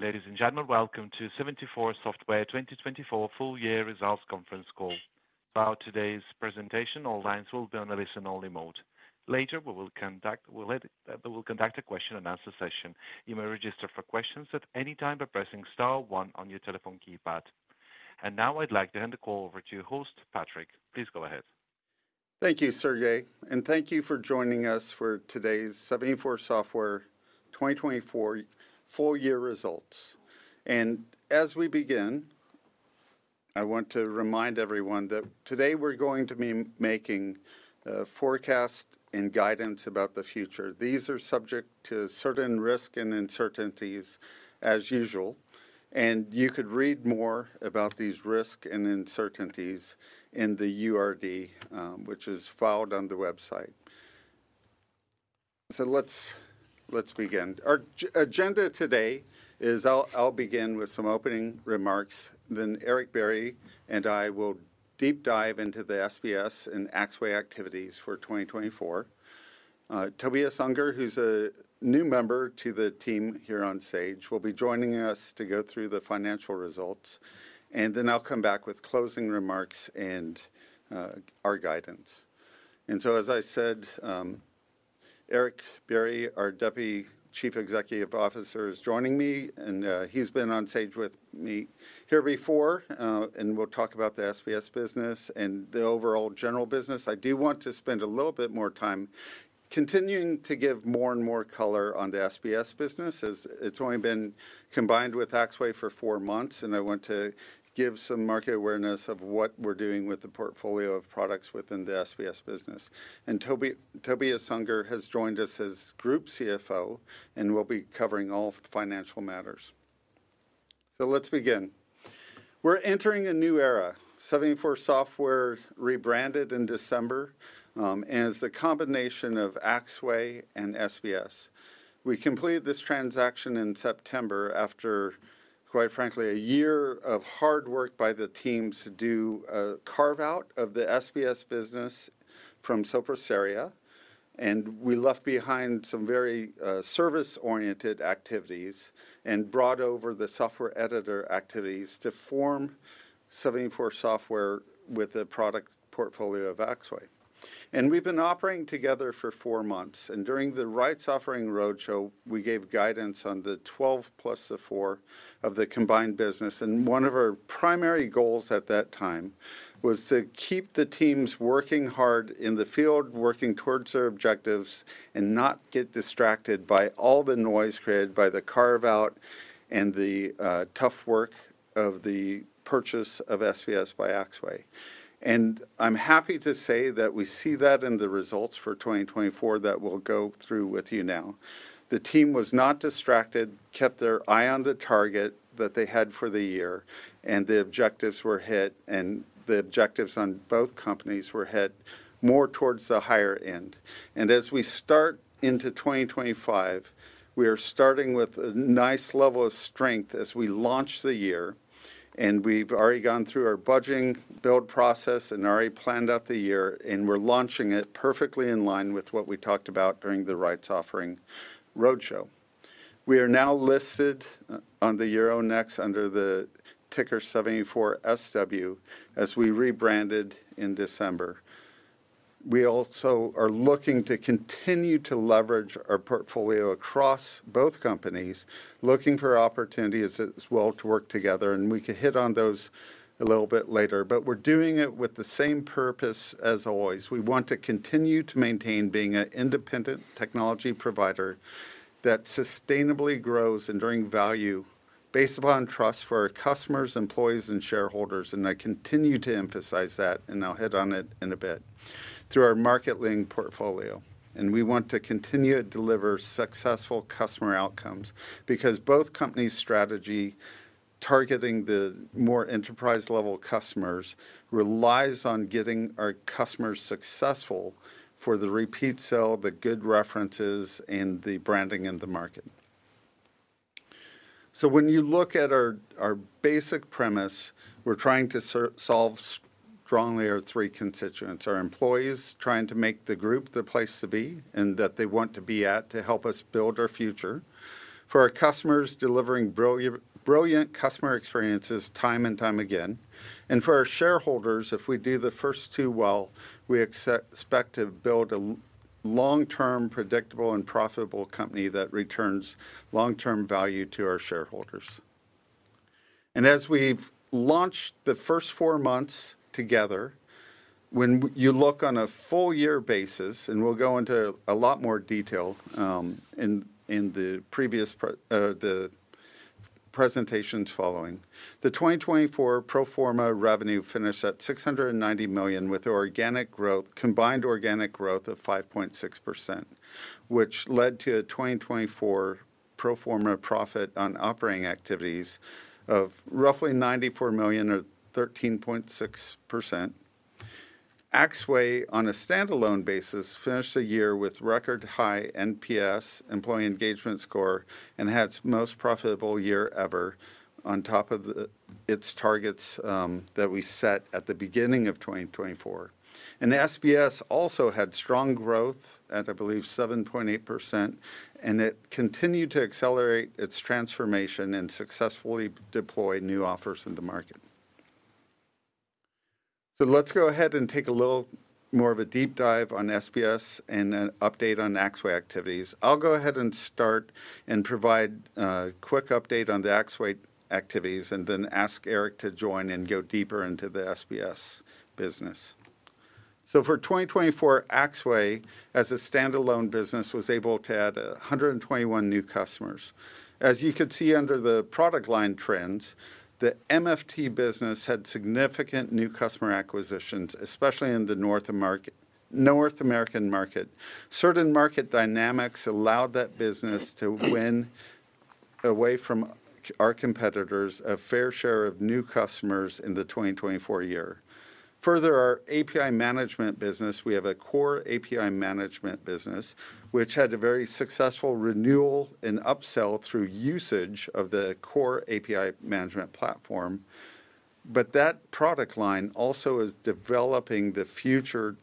Ladies and gentlemen, welcome to 74Software 2024 full-year results conference call. Throughout today's presentation, all lines will be on a listen-only mode. Later, we will conduct a question-and-answer session. You may register for questions at any time by pressing star one on your telephone keypad, and now, I'd like to hand the call over to your host, Patrick. Please go ahead. Thank you, Sergey, and thank you for joining us for today's 74Software 2024 full-year results. As we begin, I want to remind everyone that today we're going to be making a forecast and guidance about the future. These are subject to certain risks and uncertainties, as usual. You could read more about these risks and uncertainties in the URD, which is filed on the website. Let's begin. Our agenda today is I'll begin with some opening remarks, then Éric Bierry and I will deep dive into the SBS and Axway activities for 2024. Tobias Unger, who's a new member to the team here on stage, will be joining us to go through the financial results. Then I'll come back with closing remarks and our guidance. As I said, Éric Bierry, our Deputy Chief Executive Officer, is joining me. And he's been on stage with me here before, and we'll talk about the SBS business and the overall general business. I do want to spend a little bit more time continuing to give more and more color on the SBS business, as it's only been combined with Axway for four months. And I want to give some market awareness of what we're doing with the portfolio of products within the SBS business. And Tobias Unger has joined us as Group CFO and will be covering all of the financial matters. So let's begin. We're entering a new era. 74Software rebranded in December. It's the combination of Axway and SBS. We completed this transaction in September after, quite frankly, a year of hard work by the team to do a carve-out of the SBS business from Sopra Steria. And we left behind some very service-oriented activities and brought over the software editor activities to form 74Software with the product portfolio of Axway. And we've been operating together for four months. And during the rights offering roadshow, we gave guidance on the 12 months plus the four months of the combined business. And one of our primary goals at that time was to keep the teams working hard in the field, working towards their objectives, and not get distracted by all the noise created by the carve-out and the tough work of the purchase of SBS by Axway. And I'm happy to say that we see that in the results for 2024 that we'll go through with you now. The team was not distracted, kept their eye on the target that they had for the year, and the objectives were hit. And the objectives on both companies were hit more towards the higher end. And as we start into 2025, we are starting with a nice level of strength as we launch the year. And we've already gone through our budgeting build process and already planned out the year. And we're launching it perfectly in line with what we talked about during the Rights Offering Roadshow. We are now listed on the Euronext under the ticker 74SW as we rebranded in December. We also are looking to continue to leverage our portfolio across both companies, looking for opportunities as well to work together. And we can hit on those a little bit later. But we're doing it with the same purpose as always. We want to continue to maintain being an independent technology provider that sustainably grows and to bring value based upon trust for our customers, employees, and shareholders. I continue to emphasize that, and I'll hit on it in a bit, through our market-leading portfolio. We want to continue to deliver successful customer outcomes because both companies' strategy targeting the more enterprise-level customers relies on getting our customers successful for the repeat sale, the good references, and the branding in the market. When you look at our basic premise, we're trying to solve strongly our three constituents: our employees, trying to make the group the place to be and that they want to be at to help us build our future. For our customers, delivering brilliant customer experiences time and time again. For our shareholders, if we do the first two well, we expect to build a long-term, predictable, and profitable company that returns long-term value to our shareholders. As we've launched the first four months together, when you look on a full-year basis, and we'll go into a lot more detail in the presentations following, the 2024 pro forma revenue finished at 690 million with combined organic growth of 5.6%, which led to a 2024 pro forma Profit on Operating Activities of roughly 94 million, or 13.6%. Axway, on a standalone basis, finished the year with record-high NPS, employee engagement score, and had its most profitable year ever on top of its targets that we set at the beginning of 2024. SBS also had strong growth at, I believe, 7.8%, and it continued to accelerate its transformation and successfully deploy new offers in the market. Let's go ahead and take a little more of a deep dive on SBS and an update on Axway activities. I'll go ahead and start and provide a quick update on the Axway activities and then ask Éric to join and go deeper into the SBS business, so for 2024, Axway, as a standalone business, was able to add 121 new customers. As you could see under the product line trends, the MFT business had significant new customer acquisitions, especially in the North American market. Certain market dynamics allowed that business to win away from our competitors a fair share of new customers in the 2024 year. Further, our API management business, we have a core API management business, which had a very successful renewal and upsell through usage of the core API management platform. But that product line also is developing the future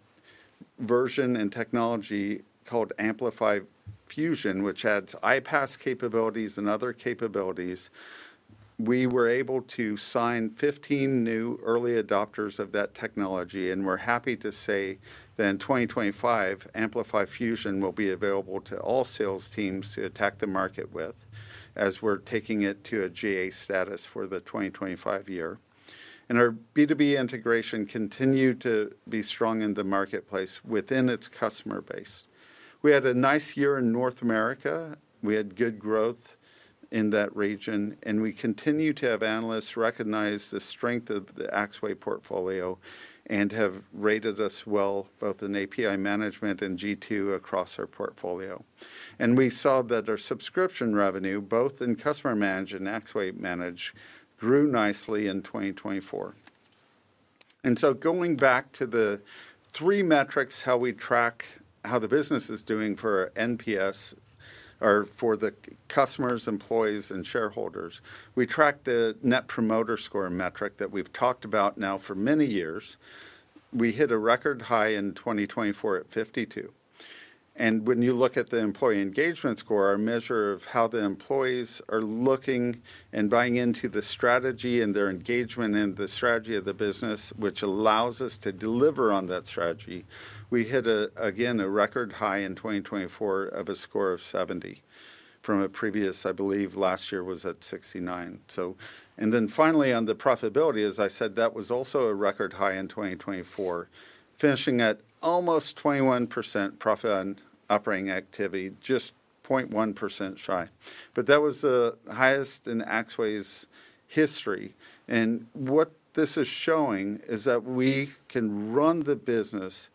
version and technology called Amplify Fusion, which adds iPaaS capabilities and other capabilities. We were able to sign 15 new early adopters of that technology. And we're happy to say that in 2025, Amplify Fusion will be available to all sales teams to attack the market with, as we're taking it to a GA status for the 2025 year. And our B2B integration continued to be strong in the marketplace within its customer base. We had a nice year in North America. We had good growth in that region. And we continue to have analysts recognize the strength of the Axway portfolio and have rated us well both in API management and G2 across our portfolio. And we saw that our subscription revenue, both in customer-managed and Axway managed, grew nicely in 2024. And so going back to the three metrics, how we track or how the business is doing for NPS or for the customers, employees, and shareholders, we track the net promoter score metric that we've talked about now for many years. We hit a record high in 2024 at 52. And when you look at the employee engagement score, our measure of how the employees are looking and buying into the strategy and their engagement in the strategy of the business, which allows us to deliver on that strategy, we hit, again, a record high in 2024 of a score of 70 from a previous, I believe, last year was at 69. And then finally, on the profitability, as I said, that was also a record high in 2024, finishing at almost 21% profit on operating activity, just 0.1% shy. But that was the highest in Axway's history. And what this is showing is that we can run the business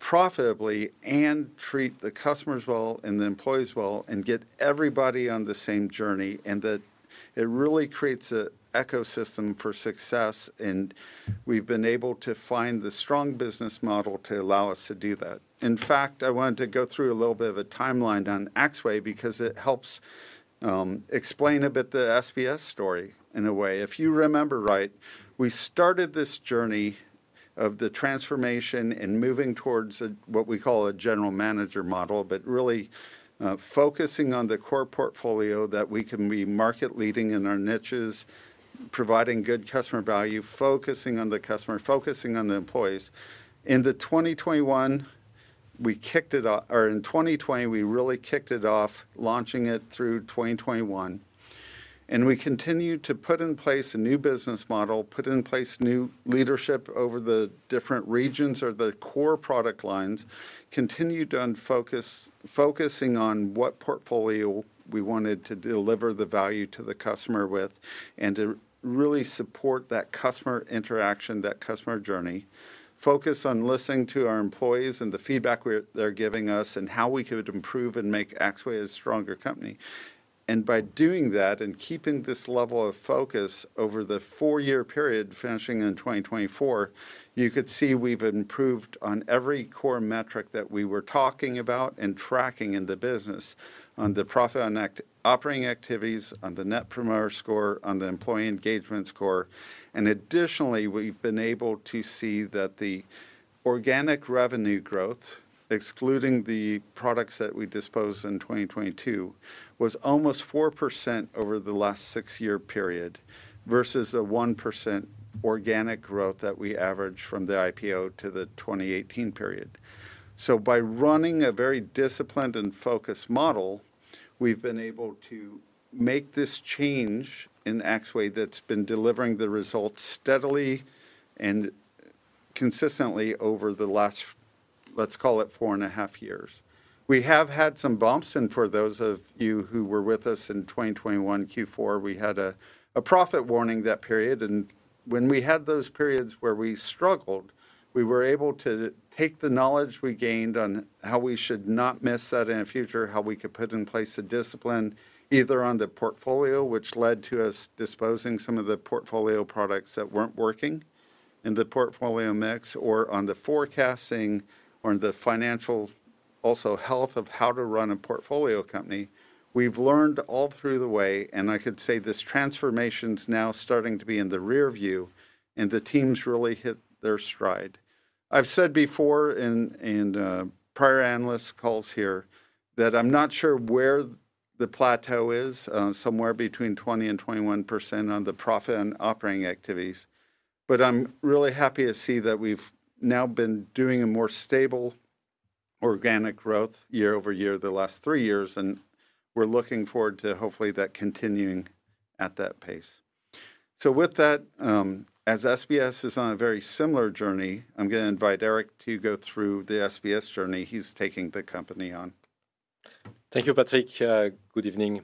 profitably and treat the customers well and the employees well and get everybody on the same journey. And that it really creates an ecosystem for success. We've been able to find the strong business model to allow us to do that. In fact, I wanted to go through a little bit of a timeline on Axway because it helps explain a bit the SBS story in a way. If you remember right, we started this journey of the transformation and moving towards what we call a General Manager Model, but really focusing on the core portfolio that we can be market-leading in our niches, providing good customer value, focusing on the customer, focusing on the employees. In 2021, we kicked it off, or in 2020, we really kicked it off, launching it through 2021. We continue to put in place a new business model, put in place new leadership over the different regions of the core product lines, continue to focus, focusing on what portfolio we wanted to deliver the value to the customer with and to really support that customer interaction, that customer journey, focus on listening to our employees and the feedback they're giving us and how we could improve and make Axway a stronger company. By doing that and keeping this level of focus over the four-year period, finishing in 2024, you could see we've improved on every core metric that we were talking about and tracking in the business on the profit on operating activities, on the net promoter score, on the employee engagement score. And additionally, we've been able to see that the organic revenue growth, excluding the products that we disposed in 2022, was almost 4% over the last six-year period versus the 1% organic growth that we averaged from the IPO to the 2018 period. So by running a very disciplined and focused model, we've been able to make this change in Axway that's been delivering the results steadily and consistently over the last, let's call it, four and a half years. We have had some bumps. And for those of you who were with us in 2021 Q4, we had a profit warning that period. When we had those periods where we struggled, we were able to take the knowledge we gained on how we should not miss that in the future, how we could put in place a discipline either on the portfolio, which led to us disposing some of the portfolio products that weren't working in the portfolio mix, or on the forecasting or on the financial also health of how to run a portfolio company. We've learned all through the way. I could say this transformation is now starting to be in the rearview, and the teams really hit their stride. I've said before in prior analyst calls here that I'm not sure where the plateau is, somewhere between 20% and 21% on the profit on operating activities. I'm really happy to see that we've now been doing a more stable organic growth year-over-year the last three years. We're looking forward to hopefully that continuing at that pace. With that, as SBS is on a very similar journey, I'm going to invite Éric to go through the SBS journey he's taking the company on. Thank you, Patrick. Good evening.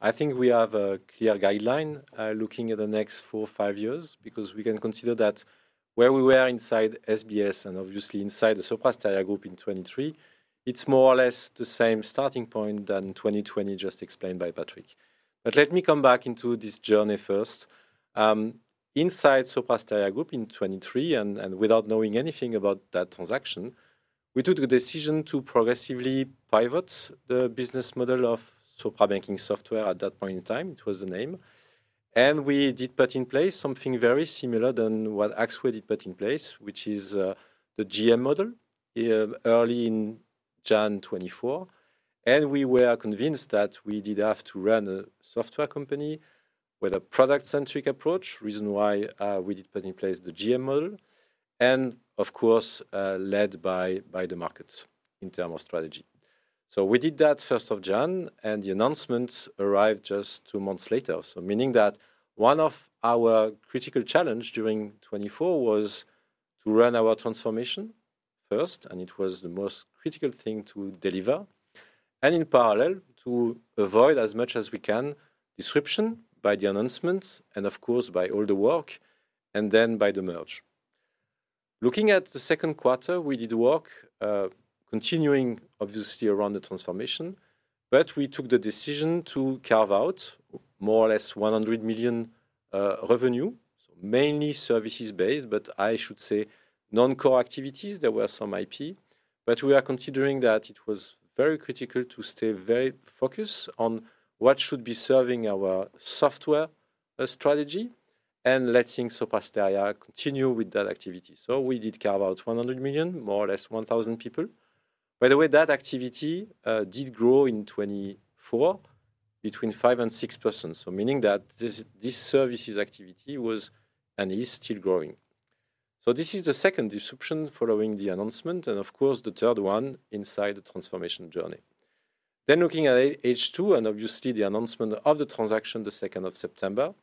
I think we have a clear guideline looking at the next four or five years because we can consider that where we were inside SBS and obviously inside the Sopra Steria Group in 2023, it's more or less the same starting point than 2020 just explained by Patrick. Let me come back into this journey first. Inside Sopra Steria Group in 2023, and without knowing anything about that transaction, we took the decision to progressively pivot the business model of Sopra Banking Software at that point in time. It was the name. We did put in place something very similar to what Axway did put in place, which is the GM model early in January 2024. We were convinced that we did have to run a software company with a product-centric approach, reason why we did put in place the GM model, and of course, led by the market in terms of strategy. We did that 1st of January, and the announcements arrived just two months later, so meaning that one of our critical challenges during 2024 was to run our transformation first, and it was the most critical thing to deliver, and in parallel to avoid as much as we can disruption by the announcements and of course by all the work, and then by the merger. Looking at the second quarter, we did work continuing, obviously, around the transformation, but we took the decision to carve out more or less 100 million revenue, so mainly services-based, but I should say non-core activities. There were some IP, but we are considering that it was very critical to stay very focused on what should be serving our software strategy and letting Sopra Steria continue with that activity. So we did carve out 100 million, more or less 1,000 people. By the way, that activity did grow in 2024 between 5% and 6%, so meaning that this services activity was and is still growing. So this is the second disruption following the announcement, and of course, the third one inside the transformation journey. Then looking at H2, and obviously the announcement of the transaction the 2nd of September,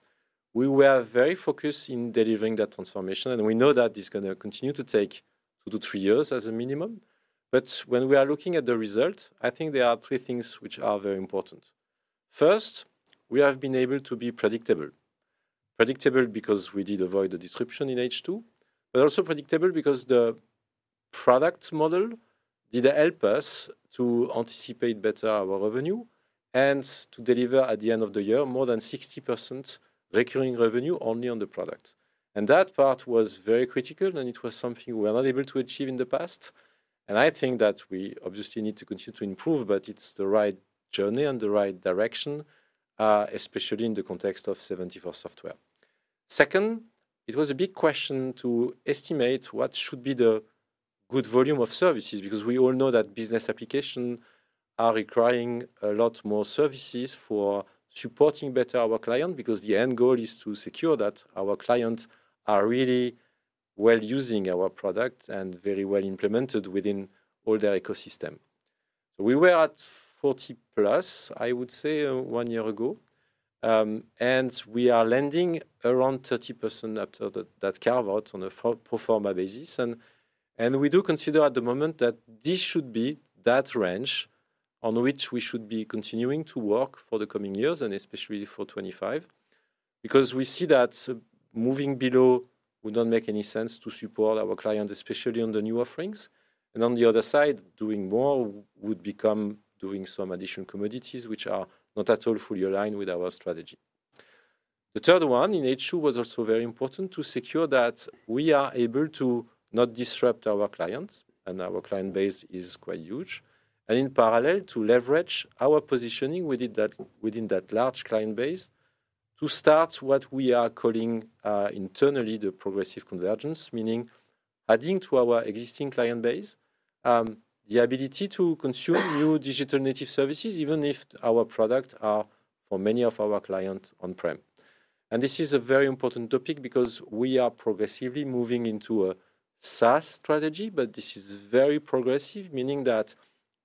we were very focused in delivering that transformation. We know that it's going to continue to take two to three years as a minimum. But when we are looking at the result, I think there are three things which are very important. First, we have been able to be predictable, predictable because we did avoid the disruption in H2, but also predictable because the product model did help us to anticipate better our revenue and to deliver at the end of the year more than 60% recurring revenue only on the product. And that part was very critical, and it was something we were not able to achieve in the past. And I think that we obviously need to continue to improve, but it's the right journey and the right direction, especially in the context of 74Software. Second, it was a big question to estimate what should be the good volume of services because we all know that business applications are requiring a lot more services for supporting better our clients because the end goal is to secure that our clients are really well using our product and very well implemented within all their ecosystem, so we were at 40% plus, I would say, one year ago, and we are landing around 30% after that carve-out on a pro forma basis, and we do consider at the moment that this should be that range on which we should be continuing to work for the coming years and especially for 2025 because we see that moving below would not make any sense to support our clients, especially on the new offerings. And on the other side, doing more would become doing some additional commodities which are not at all fully aligned with our strategy. The third one in H2 was also very important, to secure that we are able to not disrupt our clients, and our client base is quite huge. And in parallel, to leverage our positioning, we did that large client base to start what we are calling internally the progressive convergence, meaning adding to our existing client base the ability to consume new digital native services even if our products are for many of our clients on-prem. And this is a very important topic because we are progressively moving into a SaaS strategy, but this is very progressive, meaning that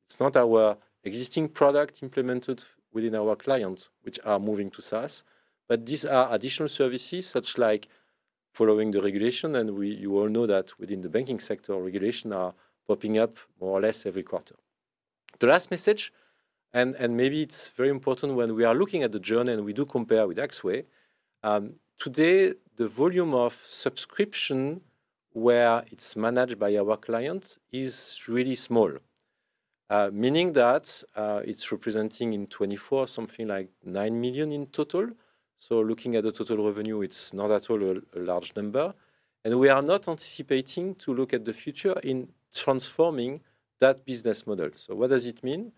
it's not our existing product implemented within our clients which are moving to SaaS, but these are additional services such like following the regulation. You all know that within the banking sector, regulations are popping up more or less every quarter. The last message, and maybe it's very important when we are looking at the journey and we do compare with Axway. Today the volume of subscription where it's managed by our clients is really small, meaning that it's representing in 2024 something like 9 million in total. So looking at the total revenue, it's not at all a large number. We are not anticipating to look at the future in transforming that business model. So what does it mean?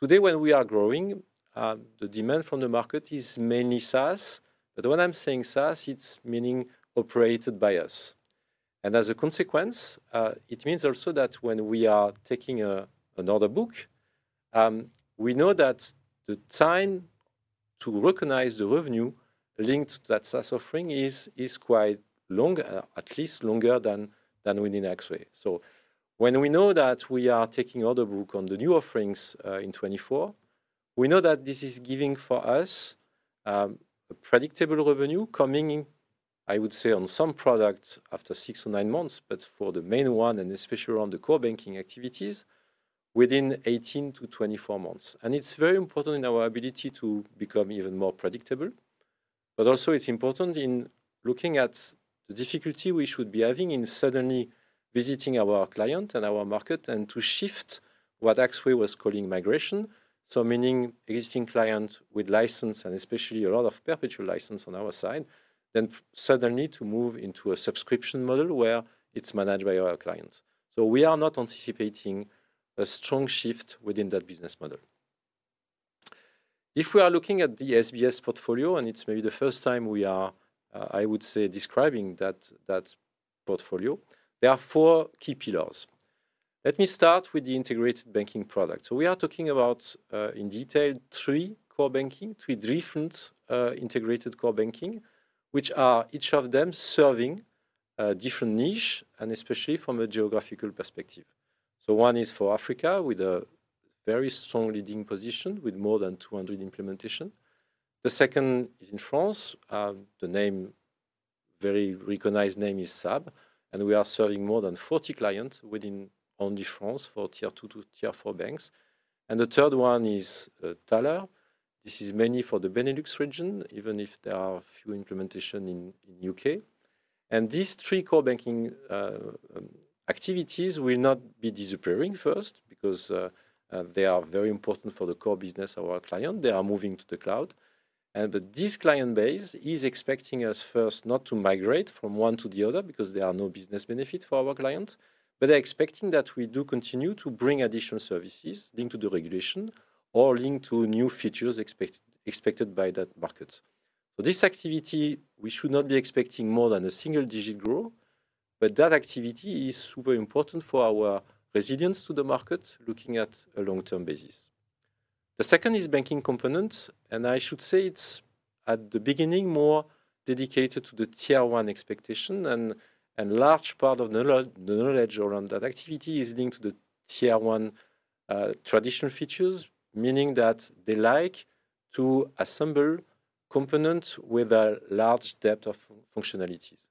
Today, when we are growing, the demand from the market is mainly SaaS. But when I'm saying SaaS, it's meaning operated by us. And as a consequence, it means also that when we are taking an order book, we know that the time to recognize the revenue linked to that SaaS offering is quite long, at least longer than within Axway. So when we know that we are taking order book on the new offerings in 2024, we know that this is giving for us a predictable revenue coming, I would say, on some products after six or nine months, but for the main one and especially around the Core Banking activities within 18 months to 24 months. And it's very important in our ability to become even more predictable. But also, it's important in looking at the difficulty we should be having in suddenly visiting our clients and our market and to shift what Axway was calling migration. So, meaning existing clients with license and especially a lot of perpetual license on our side, then suddenly to move into a subscription model where it's managed by our clients. So we are not anticipating a strong shift within that business model. If we are looking at the SBS portfolio, and it's maybe the first time we are, I would say, describing that portfolio, there are four key pillars. Let me start with the integrated banking product. So we are talking about in detail three core banking, three different integrated core banking, which are each of them serving different niches and especially from a geographical perspective. So one is for Africa with a very strong leading position with more than 200 implementations. The second is in France. The very recognized name is SAB, and we are serving more than 40 clients within only France for tier two to tier four banks. The third one is Thaler. This is mainly for the Benelux region, even if there are a few implementations in the U.K. These three core banking activities will not be disappearing first because they are very important for the core business of our client. They are moving to the cloud. This client base is expecting us first not to migrate from one to the other because there are no business benefits for our clients, but they're expecting that we do continue to bring additional services linked to the regulation or linked to new features expected by that market. This activity, we should not be expecting more than a single-digit growth, but that activity is super important for our resilience to the market looking at a long-term basis. The second is banking components, and I should say it's at the beginning more dedicated to the tier one expectation. A large part of the knowledge around that activity is linked to the tier one traditional features, meaning that they like to assemble components with a large depth of functionalities.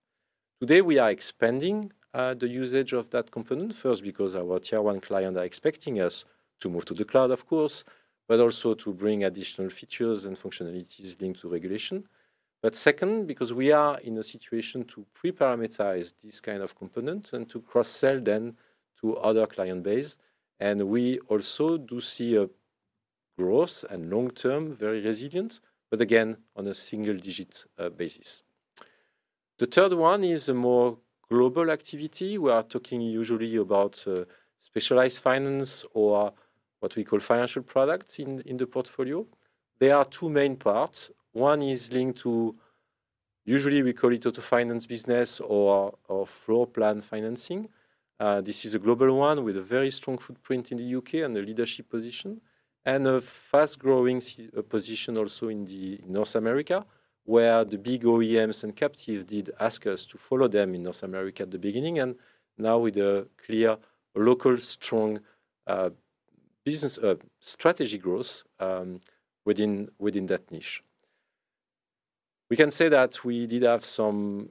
Today, we are expanding the usage of that component, first, because our tier one clients are expecting us to move to the cloud, of course, but also to bring additional features and functionalities linked to regulation. Second, because we are in a situation to pre-parameterize this kind of component and to cross-sell then to other client base. We also do see a growth and long-term very resilient, but again, on a single-digit basis. The third one is a more global activity. We are talking usually about specialized finance or what we call financial products in the portfolio. There are two main parts. One is linked to usually we call it auto finance business or floor plan financing. This is a global one with a very strong footprint in the U.K. and the leadership position and a fast-growing position also in North America where the big OEMs and captives did ask us to follow them in North America at the beginning and now with a clear local strong business strategy growth within that niche. We can say that we did have some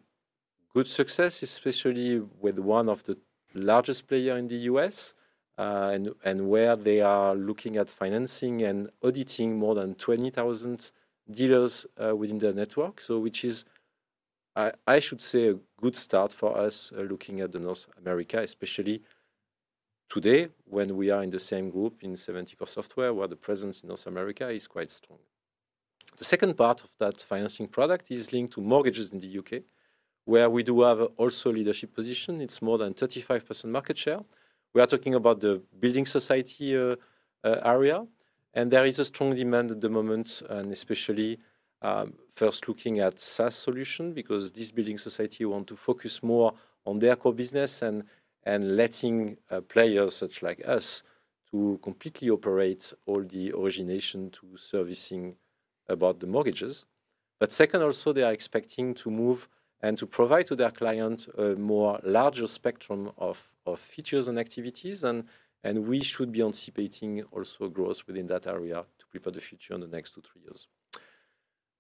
good success, especially with one of the largest players in the U.S. and where they are looking at financing and auditing more than 20,000 dealers within their network, which is, I should say, a good start for us looking at North America, especially today when we are in the same group in 74Software where the presence in North America is quite strong. The second part of that financing product is linked to mortgages in the U.K. where we do have also a leadership position. It's more than 35% market share. We are talking about the building society area, and there is a strong demand at the moment, and especially first looking at SaaS solutions because these building societies want to focus more on their core business and letting players such like us to completely operate all the origination to servicing about the mortgages. But second, also they are expecting to move and to provide to their clients a more larger spectrum of features and activities, and we should be anticipating also growth within that area to prepare the future in the next two to three years.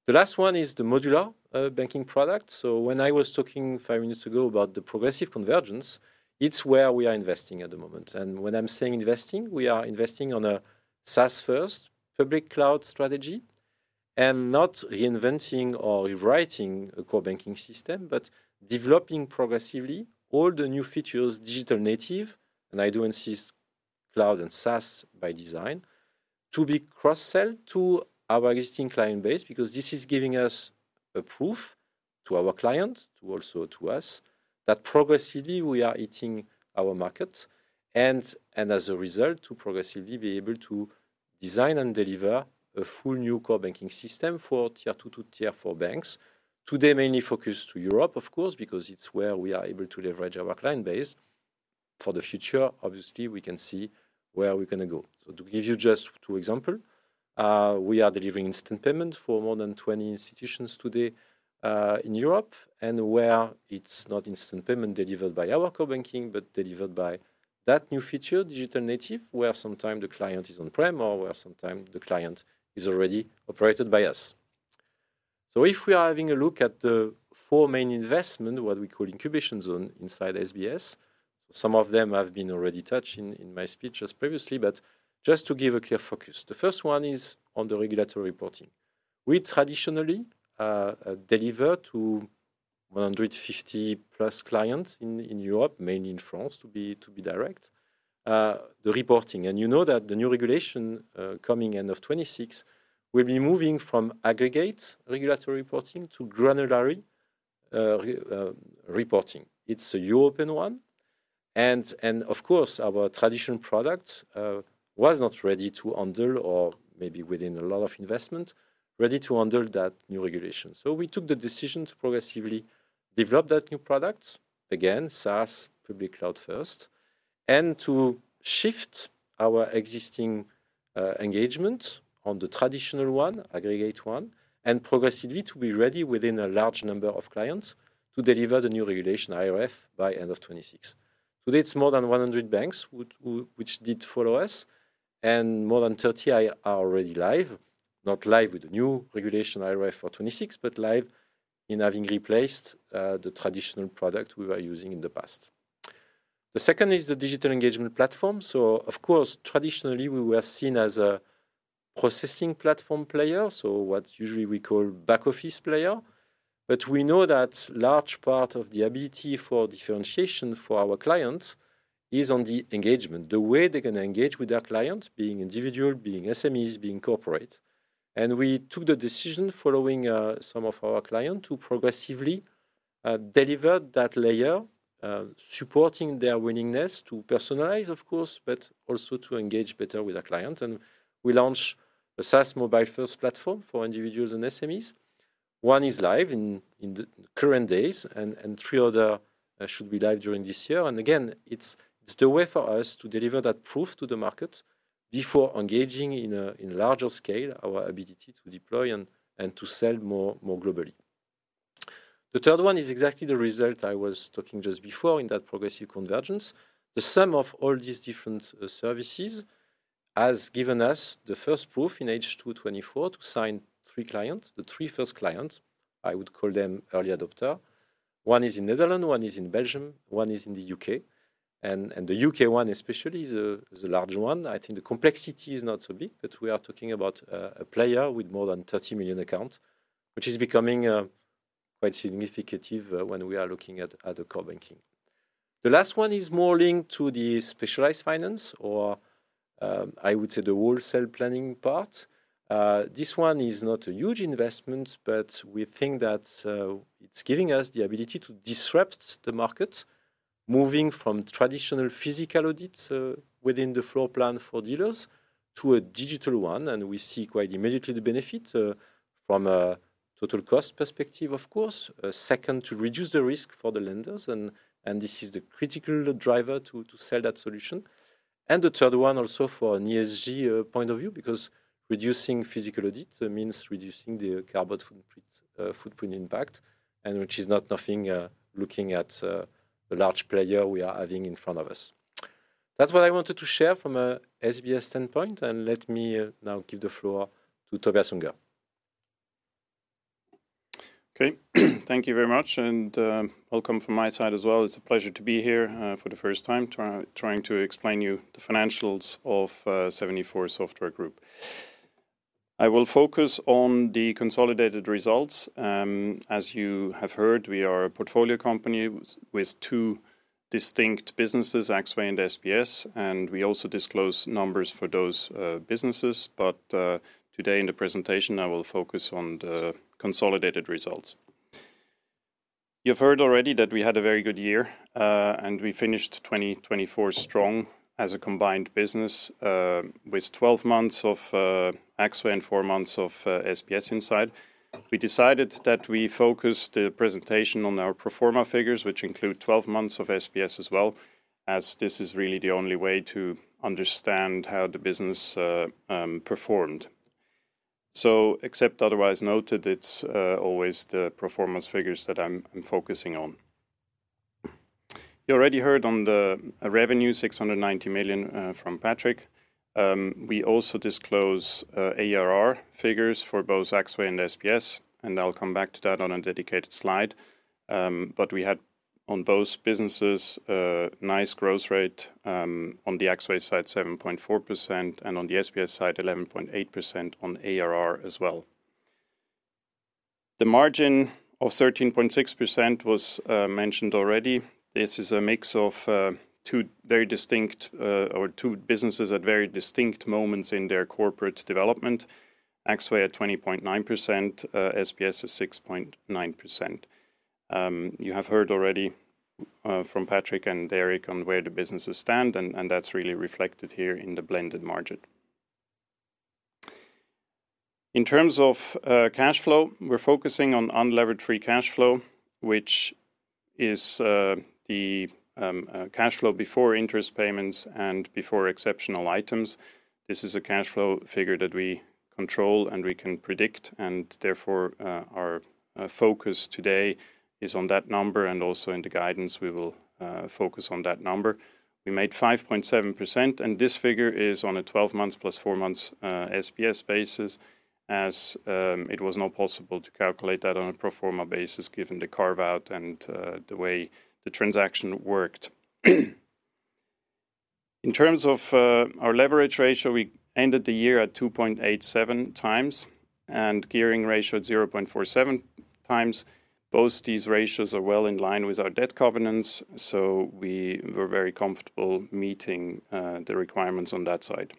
The last one is the modular banking product. So when I was talking five minutes ago about the progressive convergence, it's where we are investing at the moment. When I'm saying investing, we are investing on a SaaS-first public cloud strategy and not reinventing or rewriting a core banking system, but developing progressively all the new features, digital native, and I do insist cloud and SaaS by design to be cross-sell to our existing client base because this is giving us a proof to our clients, to also to us that progressively we are hitting our market and as a result, to progressively be able to design and deliver a full new core banking system for tier two to tier four banks. Today, mainly focused on Europe, of course, because it's where we are able to leverage our client base. For the future, obviously, we can see where we're going to go. So to give you just two examples, we are delivering instant payment for more than 20 institutions today in Europe, and where it's not instant payment delivered by our core banking, but delivered by that new feature, digital-native, where sometimes the client is on-prem or where sometimes the client is already operated by us. So if we are having a look at the four main investments, what we call Incubation Zone inside SBS, some of them have been already touched in my speech just previously, but just to give a clear focus, the first one is on the regulatory reporting. We traditionally deliver to 150-plus clients in Europe, mainly in France, to be direct. The reporting, and you know that the new regulation coming end of 2026 will be moving from aggregate regulatory reporting to granular reporting. It's a European one. And of course, our traditional product was not ready to handle or maybe within a lot of investment, ready to handle that new regulation. So we took the decision to progressively develop that new product, again, SaaS, public cloud first, and to shift our existing engagement on the traditional one, aggregate one, and progressively to be ready within a large number of clients to deliver the new regulation IReF by end of 2026. Today, it's more than 100 banks which did follow us and more than 30 are already live, not live with the new regulation IReF for 2026, but live in having replaced the traditional product we were using in the past. The second is the digital engagement platform. So of course, traditionally, we were seen as a processing platform player, so what usually we call back office player. But we know that a large part of the ability for differentiation for our clients is on the engagement, the way they're going to engage with their clients, being individual, being SMEs, being corporate. And we took the decision following some of our clients to progressively deliver that layer, supporting their willingness to personalize, of course, but also to engage better with our clients. And we launched a SaaS mobile-first platform for individuals and SMEs. One is live in the current days, and three others should be live during this year. And again, it's the way for us to deliver that proof to the market before engaging in a larger scale, our ability to deploy and to sell more globally. The third one is exactly the result I was talking just before in that progressive convergence. The sum of all these different services has given us the first proof in H2 2024 to sign three clients, the three first clients. I would call them early adopters. One is in Netherlands, one is in Belgium, one is in the U.K., and the U.K. one, especially, is the large one. I think the complexity is not so big, but we are talking about a player with more than 30 million accounts, which is becoming quite significant when we are looking at the core banking. The last one is more linked to the specialized finance, or I would say the wholesale planning part. This one is not a huge investment, but we think that it's giving us the ability to disrupt the market, moving from traditional physical audits within the floor plan for dealers to a digital one. We see quite immediately the benefit from a total cost perspective, of course. Second, to reduce the risk for the lenders. This is the critical driver to sell that solution. The third one also from an ESG point of view, because reducing physical audits means reducing the carbon footprint impact, which is not nothing looking at the large player we are having in front of us. That's what I wanted to share from an SBS standpoint. Let me now give the floor to Tobias Unger. Okay, thank you very much. Welcome from my side as well. It's a pleasure to be here for the first time trying to explain to you the financials of 74Software Group. I will focus on the consolidated results. As you have heard, we are a portfolio company with two distinct businesses, Axway and SBS, and we also disclose numbers for those businesses. But today in the presentation, I will focus on the consolidated results. You've heard already that we had a very good year and we finished 2024 strong as a combined business with 12 months of Axway and four months of SBS inside. We decided that we focus the presentation on our pro forma figures, which include 12 months of SBS as well, as this is really the only way to understand how the business performed. So except otherwise noted, it's always the performance figures that I'm focusing on. You already heard on the revenue, 690 million from Patrick. We also disclose ARR figures for both Axway and SBS, and I'll come back to that on a dedicated slide. But we had on both businesses a nice growth rate on the Axway side, 7.4%, and on the SBS side, 11.8% on ARR as well. The margin of 13.6% was mentioned already. This is a mix of two very distinct or two businesses at very distinct moments in their corporate development. Axway at 20.9%, SBS at 6.9%. You have heard already from Patrick and Éric on where the businesses stand, and that's really reflected here in the blended margin. In terms of cash flow, we're focusing on unlevered free cash flow, which is the cash flow before interest payments and before exceptional items. This is a cash flow figure that we control and we can predict, and therefore our focus today is on that number, and also in the guidance, we will focus on that number. We made 5.7%, and this figure is on a 12 months plus four months SBS basis as it was not possible to calculate that on a pro forma basis given the carve-out and the way the transaction worked. In terms of our leverage ratio, we ended the year at 2.87x and gearing ratio at 0.47x. Both these ratios are well in line with our debt covenants, so we were very comfortable meeting the requirements on that side.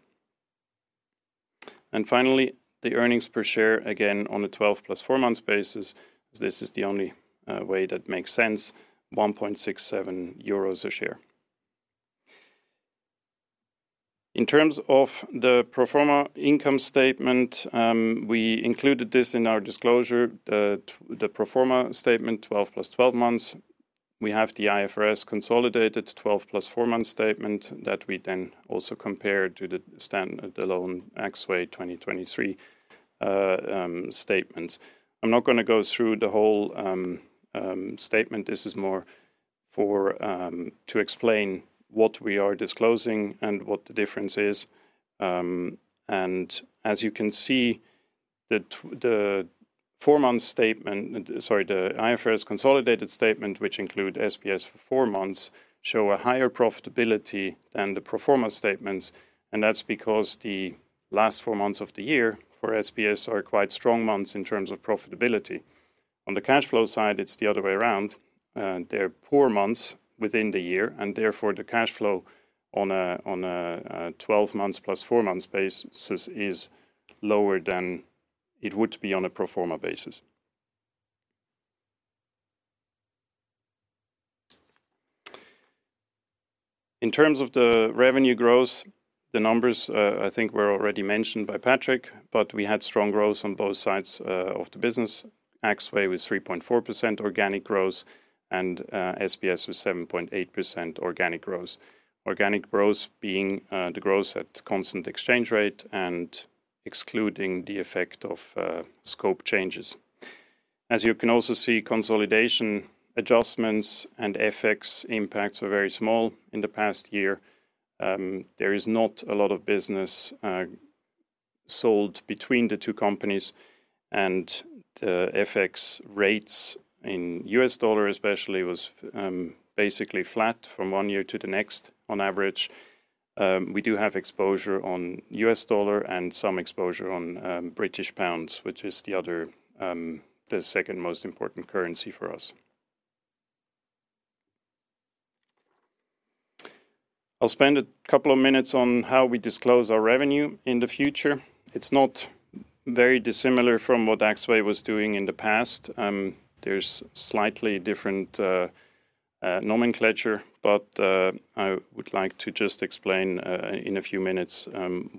Finally, the earnings per share, again on a 12 months plus four months basis, this is the only way that makes sense, 1.67 euros a share. In terms of the pro forma income statement, we included this in our disclosure, the pro forma statement, 12 plus 12 months. We have the IFRS consolidated 12 months plus four months statement that we then also compared to the stand-alone Axway 2023 statement. I'm not going to go through the whole statement. This is more to explain what we are disclosing and what the difference is. And as you can see, the four-month statement, sorry, the IFRS consolidated statement, which includes SBS for four months, shows a higher profitability than the pro forma statements. And that's because the last four months of the year for SBS are quite strong months in terms of profitability. On the cash flow side, it's the other way around. There are poor months within the year, and therefore the cash flow on a 12 months plus four months basis is lower than it would be on a pro forma basis. In terms of the revenue growth, the numbers I think were already mentioned by Patrick, but we had strong growth on both sides of the business. Axway with 3.4% organic growth and SBS with 7.8% organic growth. Organic growth being the growth at constant exchange rate and excluding the effect of scope changes. As you can also see, consolidation adjustments and FX impacts were very small in the past year. There is not a lot of business sold between the two companies, and the FX rates in U.S. dollar especially was basically flat from one year to the next on average. We do have exposure on U.S. dollar and some exposure on British pounds, which is the second most important currency for us. I'll spend a couple of minutes on how we disclose our revenue in the future. It's not very dissimilar from what Axway was doing in the past. There's slightly different nomenclature, but I would like to just explain in a few minutes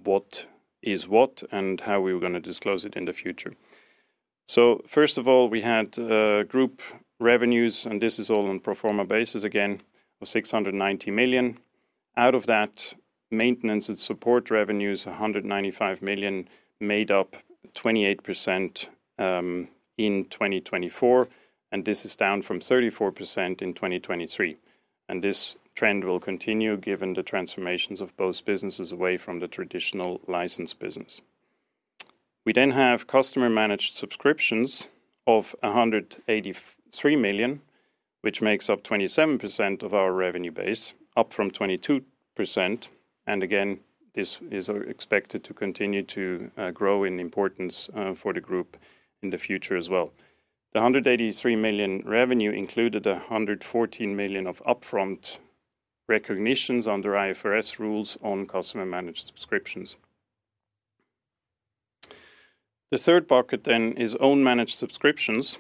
what is what and how we're going to disclose it in the future. First of all, we had group revenues, and this is all on pro forma basis again, of 690 million. Out of that, maintenance and support revenues, 195 million made up 28% in 2024, and this is down from 34% in 2023. This trend will continue given the transformations of both businesses away from the traditional license business. We then have customer-managed subscriptions of 183 million, which makes up 27% of our revenue base, up from 22%. Again, this is expected to continue to grow in importance for the group in the future as well. The 183 million revenue included 114 million of upfront recognitions under IFRS rules on customer-managed subscriptions. The third pocket then is owned managed subscriptions,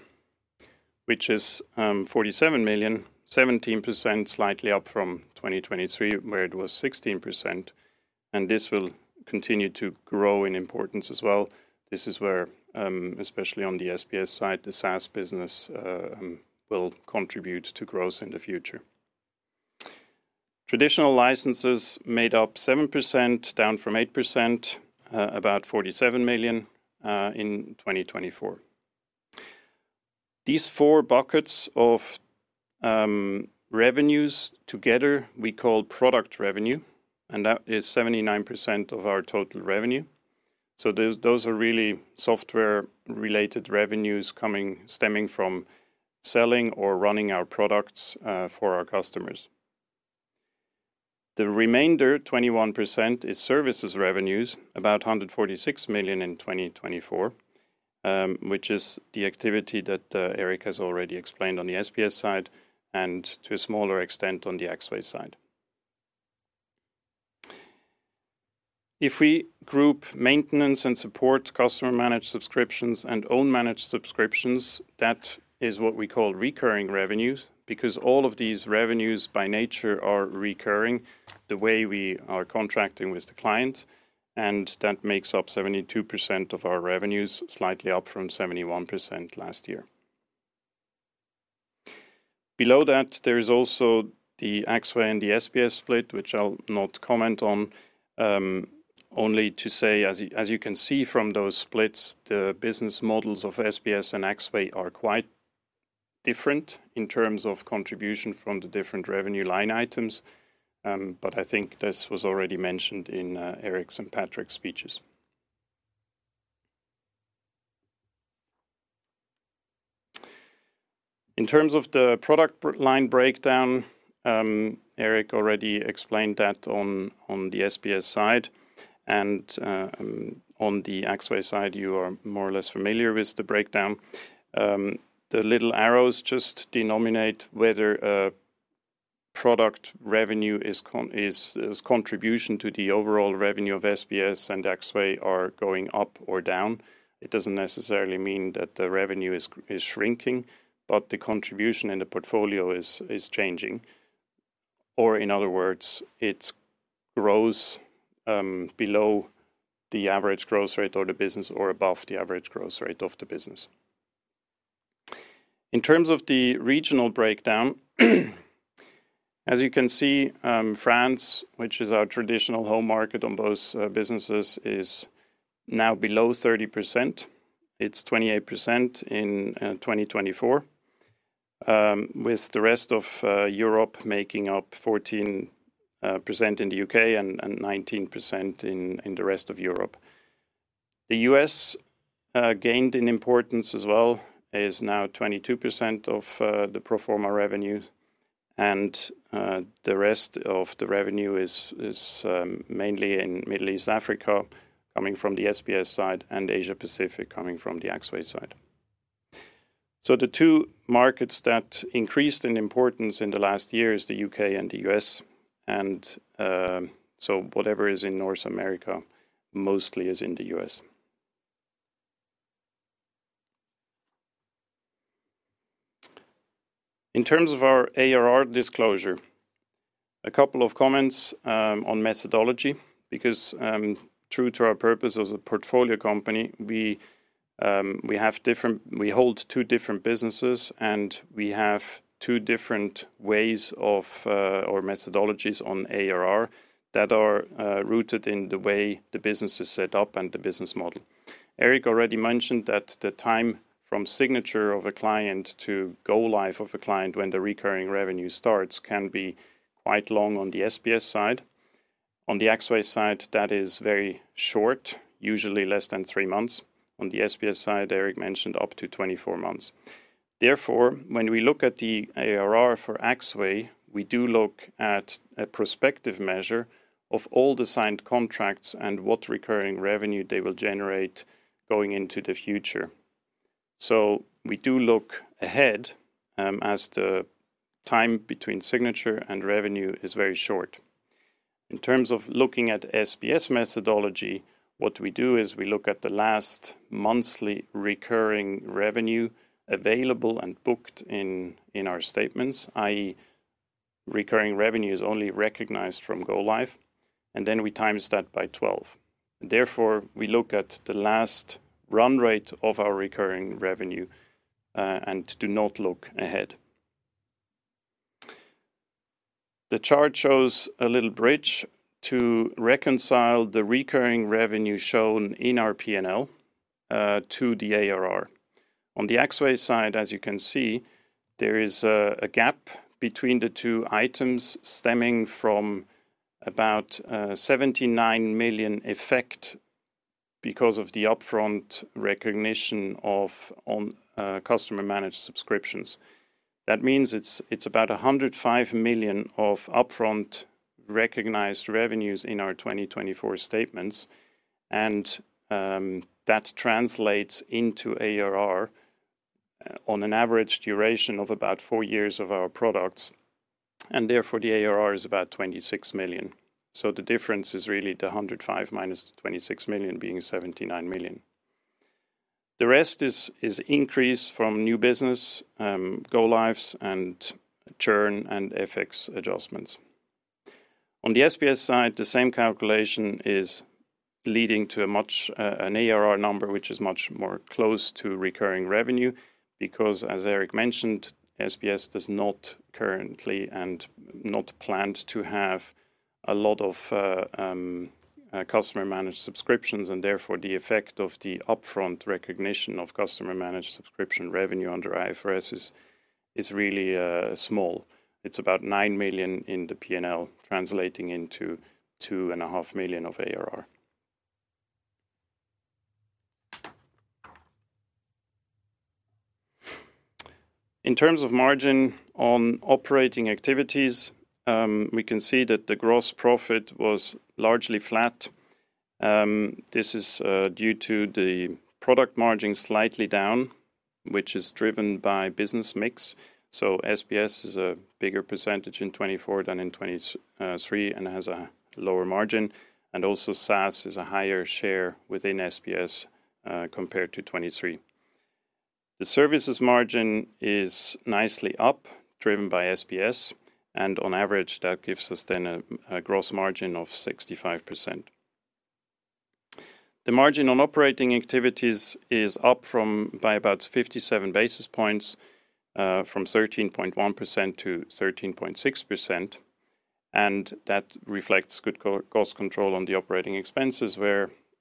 which is 47 million, 17% slightly up from 2023 where it was 16%. This will continue to grow in importance as well. This is where, especially on the SBS side, the SaaS business will contribute to growth in the future. Traditional licenses made up 7%, down from 8%, about 47 million in 2024. These four buckets of revenues together, we call product revenue, and that is 79% of our total revenue. So those are really software-related revenues stemming from selling or running our products for our customers. The remainder 21% is services revenues, about 146 million in 2024, which is the activity that Éric has already explained on the SBS side and to a smaller extent on the Axway side. If we group maintenance and support, customer-managed subscriptions, and owned managed subscriptions, that is what we call recurring revenues because all of these revenues by nature are recurring the way we are contracting with the client, and that makes up 72% of our revenues, slightly up from 71% last year. Below that, there is also the Axway and the SBS split, which I'll not comment on, only to say, as you can see from those splits, the business models of SBS and Axway are quite different in terms of contribution from the different revenue line items, but I think this was already mentioned in Éric's and Patrick's speeches. In terms of the product line breakdown, Éric already explained that on the SBS side, and on the Axway side, you are more or less familiar with the breakdown. The little arrows just denote whether product revenue's contribution to the overall revenue of SBS and Axway is going up or down. It doesn't necessarily mean that the revenue is shrinking, but the contribution in the portfolio is changing, or in other words, it grows below the average growth rate of the business or above the average growth rate of the business. In terms of the regional breakdown, as you can see, France, which is our traditional home market on both businesses, is now below 30%. It's 28% in 2024, with the rest of Europe making up 14% in the U.K. and 19% in the rest of Europe. The U.S. gained in importance as well is now 22% of the pro forma revenue. And the rest of the revenue is mainly in Middle East Africa, coming from the SBS side, and Asia-Pacific coming from the Axway side. So the two markets that increased in importance in the last year are the U.K. and the U.S. And so whatever is in North America mostly is in the U.S. In terms of our ARR disclosure, a couple of comments on methodology because true to our purpose as a portfolio company, we hold two different businesses and we have two different ways of or methodologies on ARR that are rooted in the way the business is set up and the business model. Éric already mentioned that the time from signature of a client to go-live of a client when the recurring revenue starts can be quite long on the SBS side. On the Axway side, that is very short, usually less than three months. On the SBS side, Éric mentioned up to 24 months. Therefore, when we look at the ARR for Axway, we do look at a prospective measure of all the signed contracts and what recurring revenue they will generate going into the future. We do look ahead as the time between signature and revenue is very short. In terms of looking at SBS methodology, what we do is we look at the last monthly recurring revenue available and booked in our statements, i.e., recurring revenue is only recognized from go-live, and then we times that by 12. Therefore, we look at the last run rate of our recurring revenue and do not look ahead. The chart shows a little bridge to reconcile the recurring revenue shown in our P&L to the ARR. On the Axway side, as you can see, there is a gap between the two items stemming from about 79 million effect because of the upfront recognition of customer-managed subscriptions. That means it's about 105 million of upfront recognized revenues in our 2024 statements, and that translates into ARR on an average duration of about four years of our products, and therefore the ARR is about 26 million, so the difference is really the 105 minus the 26 million being 79 million. The rest is increase from new business, go-lives, and churn and FX adjustments. On the SBS side, the same calculation is leading to an ARR number which is much closer to recurring revenue because, as Éric mentioned, SBS does not currently and not planned to have a lot of customer-managed subscriptions, and therefore the effect of the upfront recognition of customer-managed subscription revenue under IFRS is really small. It's about 9 million in the P&L, translating into 2.5 million of ARR. In terms of margin on operating activities, we can see that the gross profit was largely flat. This is due to the product margin slightly down, which is driven by business mix, so SBS is a bigger percentage in 2024 than in 2023 and has a lower margin, and also SaaS is a higher share within SBS compared to 2023. The services margin is nicely up, driven by SBS, and on average, that gives us then a gross margin of 65%. The margin on operating activities is up by about 57 basis points from 13.1% to 13.6%, and that reflects good cost control on the operating expenses,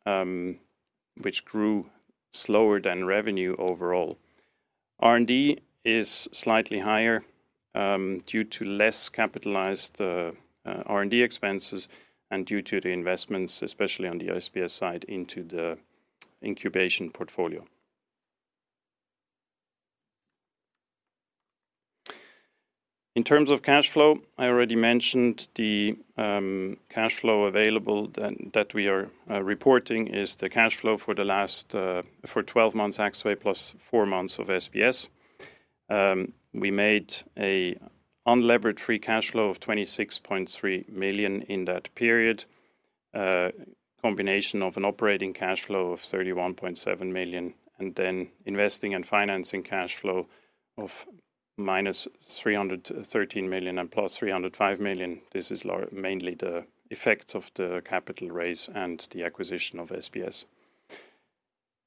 which grew slower than revenue overall. R&D is slightly higher due to less capitalized R&D expenses and due to the investments, especially on the SBS side, into the incubation portfolio. In terms of cash flow, I already mentioned the cash flow available that we are reporting is the cash flow for the last 12 months, Axway plus four months of SBS. We made an unlevered free cash flow of 26.3 million in that period, a combination of an operating cash flow of 31.7 million, and then investing and financing cash flow of minus 313 million and plus 305 million. This is mainly the effects of the capital raise and the acquisition of SBS.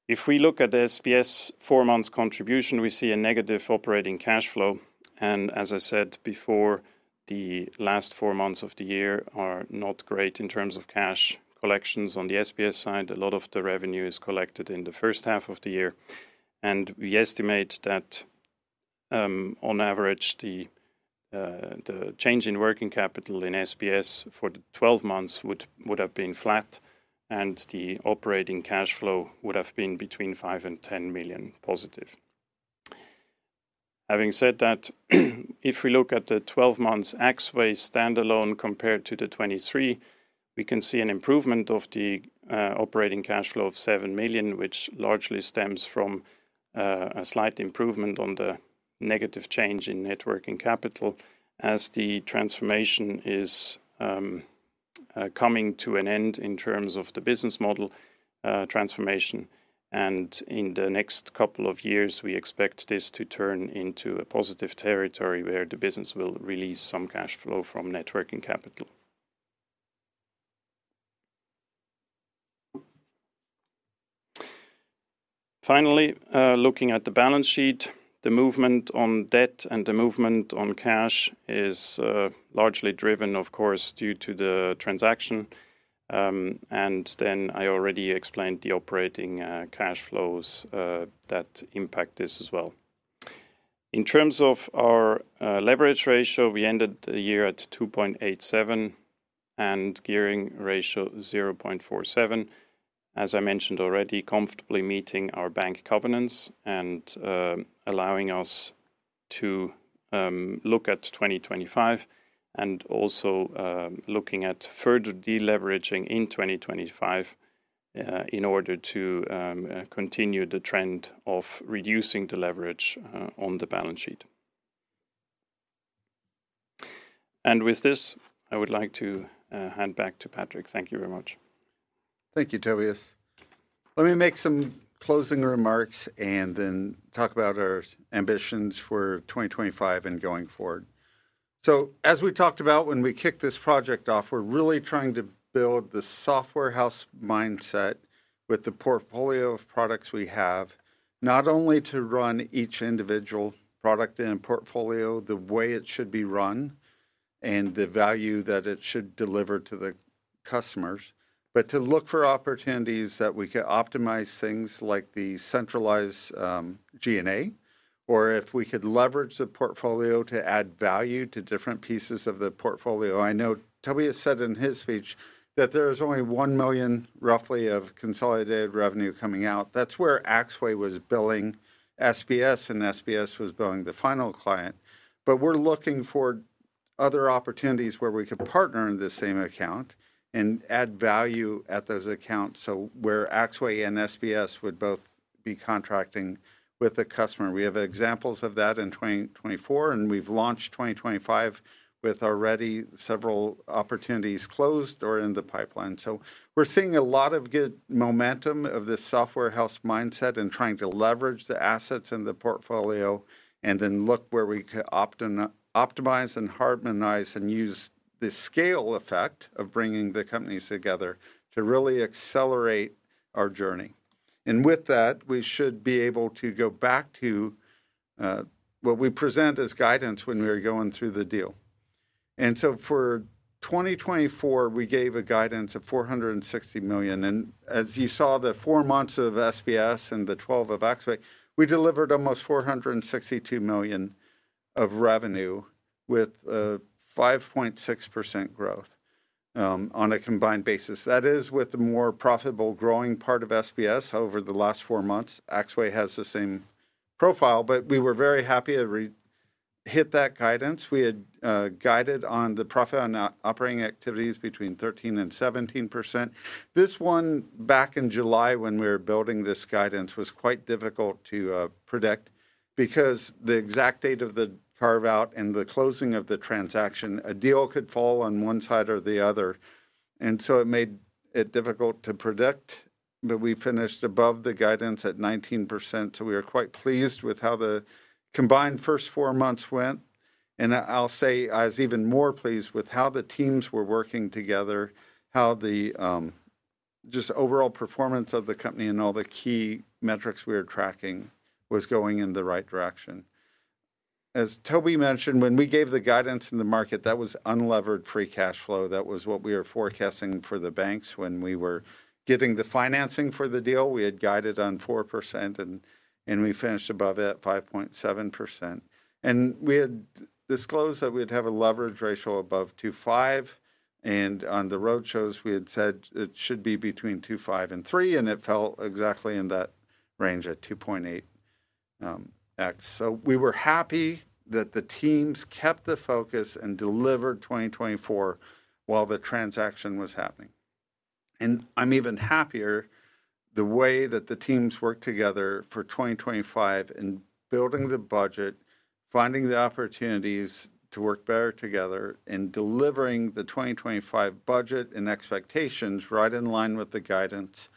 If we look at the SBS four-month contribution, we see a negative operating cash flow. And as I said before, the last four months of the year are not great in terms of cash collections on the SBS side. A lot of the revenue is collected in the first half of the year. We estimate that on average, the change in working capital in SBS for the 12 months would have been flat, and the operating cash flow would have been between 5 million and 10 million positive. Having said that, if we look at the 12-month Axway standalone compared to 2023, we can see an improvement of the operating cash flow of 7 million, which largely stems from a slight improvement on the negative change in net working capital as the transformation is coming to an end in terms of the business model transformation. In the next couple of years, we expect this to turn into a positive territory where the business will release some cash flow from net working capital. Finally, looking at the balance sheet, the movement on debt and the movement on cash is largely driven, of course, due to the transaction. And then I already explained the operating cash flows that impact this as well. In terms of our leverage ratio, we ended the year at 2.87x and gearing ratio 0.47. As I mentioned already, comfortably meeting our bank covenants and allowing us to look at 2025 and also looking at further deleveraging in 2025 in order to continue the trend of reducing the leverage on the balance sheet. And with this, I would like to hand back to Patrick. Thank you very much. Thank you, Tobias. Let me make some closing remarks and then talk about our ambitions for 2025 and going forward. So as we talked about when we kicked this project off, we're really trying to build the software house mindset with the portfolio of products we have, not only to run each individual product and portfolio the way it should be run and the value that it should deliver to the customers, but to look for opportunities that we could optimize things like the centralized G&A or if we could leverage the portfolio to add value to different pieces of the portfolio. I know Tobias said in his speech that there is only 1 million, roughly, of consolidated revenue coming out. That's where Axway was billing SBS and SBS was billing the final client. But we're looking for other opportunities where we could partner in the same account and add value at those accounts where Axway and SBS would both be contracting with the customer. We have examples of that in 2024, and we've launched 2025 with already several opportunities closed or in the pipeline. So we're seeing a lot of good momentum of this software house mindset and trying to leverage the assets in the portfolio and then look where we could optimize and harmonize and use the scale effect of bringing the companies together to really accelerate our journey. And with that, we should be able to go back to what we present as guidance when we were going through the deal. And so for 2024, we gave a guidance of 460 million. And as you saw, the four months of SBS and the 12 months of Axway, we delivered almost 462 million of revenue with a 5.6% growth on a combined basis. That is with the more profitable growing part of SBS over the last four months. Axway has the same profile, but we were very happy to hit that guidance. We had guided on the profit on operating activities between 13% and 17%. This one back in July when we were building this guidance was quite difficult to predict because the exact date of the carve-out and the closing of the transaction. A deal could fall on one side or the other. And so it made it difficult to predict, but we finished above the guidance at 19%. So we were quite pleased with how the combined first four months went. And I'll say I was even more pleased with how the teams were working together, how the just overall performance of the company and all the key metrics we were tracking was going in the right direction. As Toby mentioned, when we gave the guidance in the market, that was unlevered free cash flow. That was what we were forecasting for the banks when we were getting the financing for the deal. We had guided on 4%, and we finished above at 5.7%. And we had disclosed that we'd have a leverage ratio above 2.5x. And on the road shows, we had said it should be between 2.5x and 3x, and it fell exactly in that range at 2.8x. So we were happy that the teams kept the focus and delivered 2024 while the transaction was happening. And I'm even happier the way that the teams worked together for 2025 in building the budget, finding the opportunities to work better together, and delivering the 2025 budget and expectations right in line with the guidance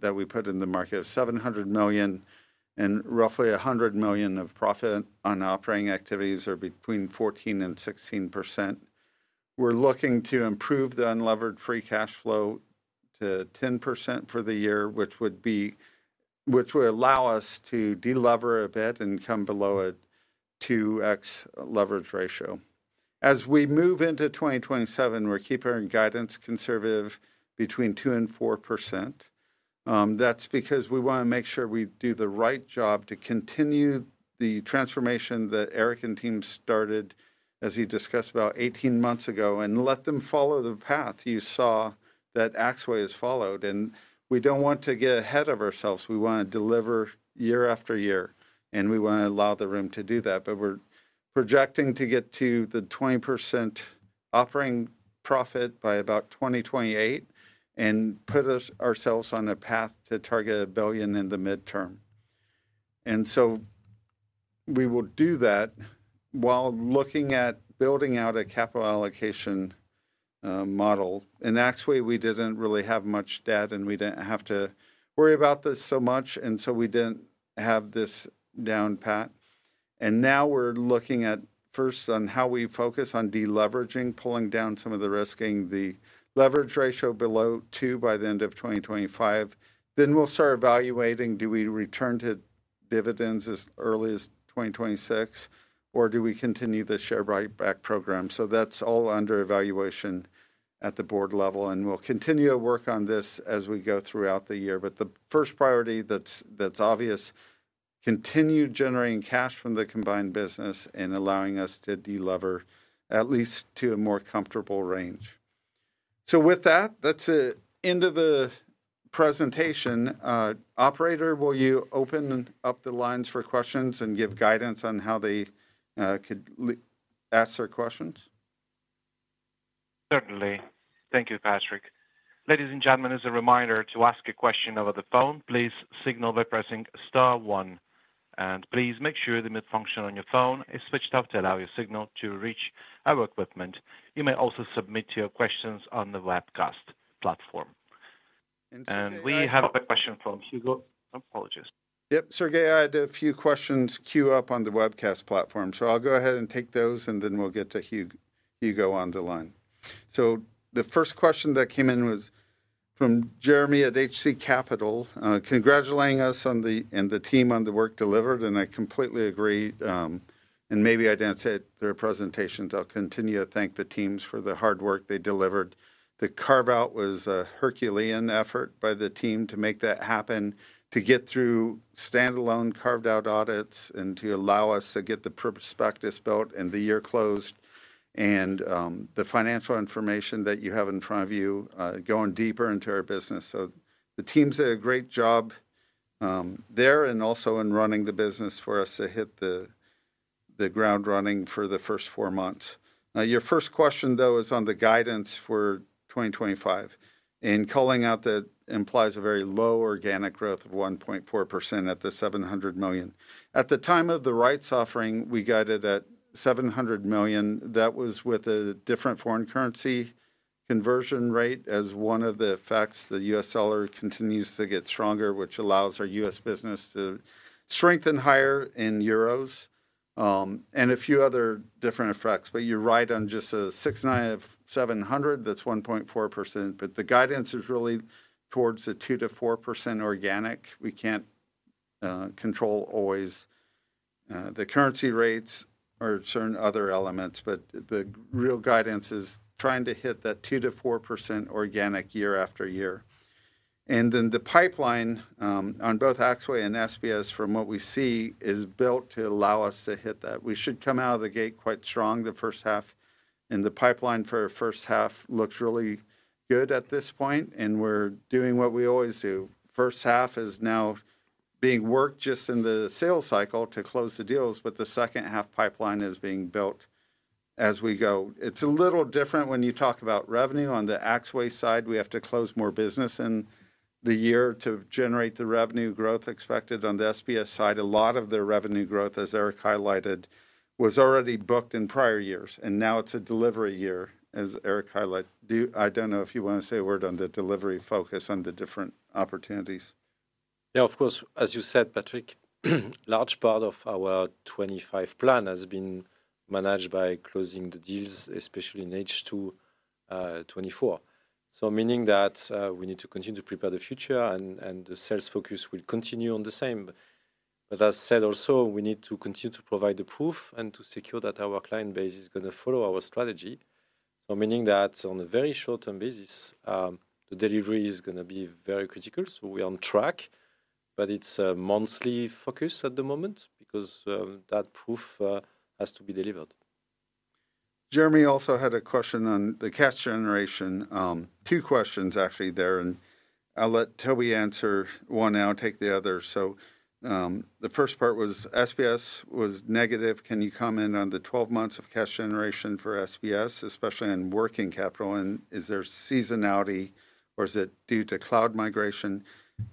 that we put in the market of 700 million and roughly 100 million of profit on operating activities are between 14% and 16%. We're looking to improve the unlevered free cash flow to 10% for the year, which would allow us to deleverage a bit and come below at 2x leverage ratio. As we move into 2027, we're keeping our guidance conservative between 2% and 4%. That's because we want to make sure we do the right job to continue the transformation that Éric and team started as he discussed about 18 months ago and let them follow the path you saw that Axway has followed. And we don't want to get ahead of ourselves. We want to deliver year after year, and we want to allow the room to do that. But we're projecting to get to the 20% operating profit by about 2028 and put ourselves on a path to target 1 billion in the midterm. And so we will do that while looking at building out a capital allocation model. In Axway, we didn't really have much debt, and we didn't have to worry about this so much, and so we didn't have this down pat. Now we're looking at first on how we focus on deleveraging, pulling down some of the risk in the leverage ratio below 2x by the end of 2025. Then we'll start evaluating, do we return to dividends as early as 2026, or do we continue the share buyback program? That's all under evaluation at the board level. We'll continue to work on this as we go throughout the year. The first priority that's obvious, continue generating cash from the combined business and allowing us to delever at least to a more comfortable range. With that, that's the end of the presentation. Operator, will you open up the lines for questions and give guidance on how they could ask their questions? Certainly. Thank you, Patrick. Ladies and gentlemen, as a reminder, to ask a question over the phone, please signal by pressing star one. Please make sure the mute function on your phone is switched off to allow your signal to reach our equipment. You may also submit your questions on the webcast platform, and we have a question from Hugo. Apologies. Yep, Sergey, I had a few questions queue up on the webcast platform, so I'll go ahead and take those, and then we'll get to Hugo on the line. The first question that came in was from Jérémie at H.C. Capital, congratulating us on the deal and the team on the work delivered. I completely agree, and maybe I didn't say it during our presentations. I'll continue to thank the teams for the hard work they delivered. The carve-out was a Herculean effort by the team to make that happen, to get through standalone carved-out audits and to allow us to get the prospectus built and the year closed and the financial information that you have in front of you going deeper into our business. So the teams did a great job there and also in running the business for us to hit the ground running for the first four months. Your first question, though, is on the guidance for 2025, and calling out that implies a very low organic growth of 1.4% at the 700 million. At the time of the rights offering, we guided at 700 million. That was with a different foreign currency conversion rate as one of the effects. The U.S. dollar continues to get stronger, which allows our U.S. business to strengthen higher in euros and a few other different effects. But you're right on just a 6.9 of 700, that's 1.4%. But the guidance is really towards the 2% to 4% organic. We can't control always the currency rates or certain other elements, but the real guidance is trying to hit that 2% to 4% organic year after year. And then the pipeline on both Axway and SBS, from what we see, is built to allow us to hit that. We should come out of the gate quite strong the first half. And the pipeline for our first half looks really good at this point, and we're doing what we always do. First half is now being worked just in the sales cycle to close the deals, but the second half pipeline is being built as we go. It's a little different when you talk about revenue. On the Axway side, we have to close more business in the year to generate the revenue growth expected. On the SBS side, a lot of their revenue growth, as Éric highlighted, was already booked in prior years, and now it's a delivery year, as Éric highlighted. I don't know if you want to say a word on the delivery focus on the different opportunities. Yeah, of course, as you said, Patrick, a large part of our 2025 plan has been managed by closing the deals, especially in H2 2024. So meaning that we need to continue to prepare the future, and the sales focus will continue on the same, but as said also, we need to continue to provide the proof and to secure that our client base is going to follow our strategy, so meaning that on a very short-term basis, the delivery is going to be very critical. So we're on track, but it's a monthly focus at the moment because that proof has to be delivered. Jérémie also had a question on the cash generation. Two questions, actually, there. And I'll let Toby answer one now and take the other. So the first part was SBS was negative. Can you comment on the 12 months of cash generation for SBS, especially in working capital? And is there seasonality, or is it due to cloud migration?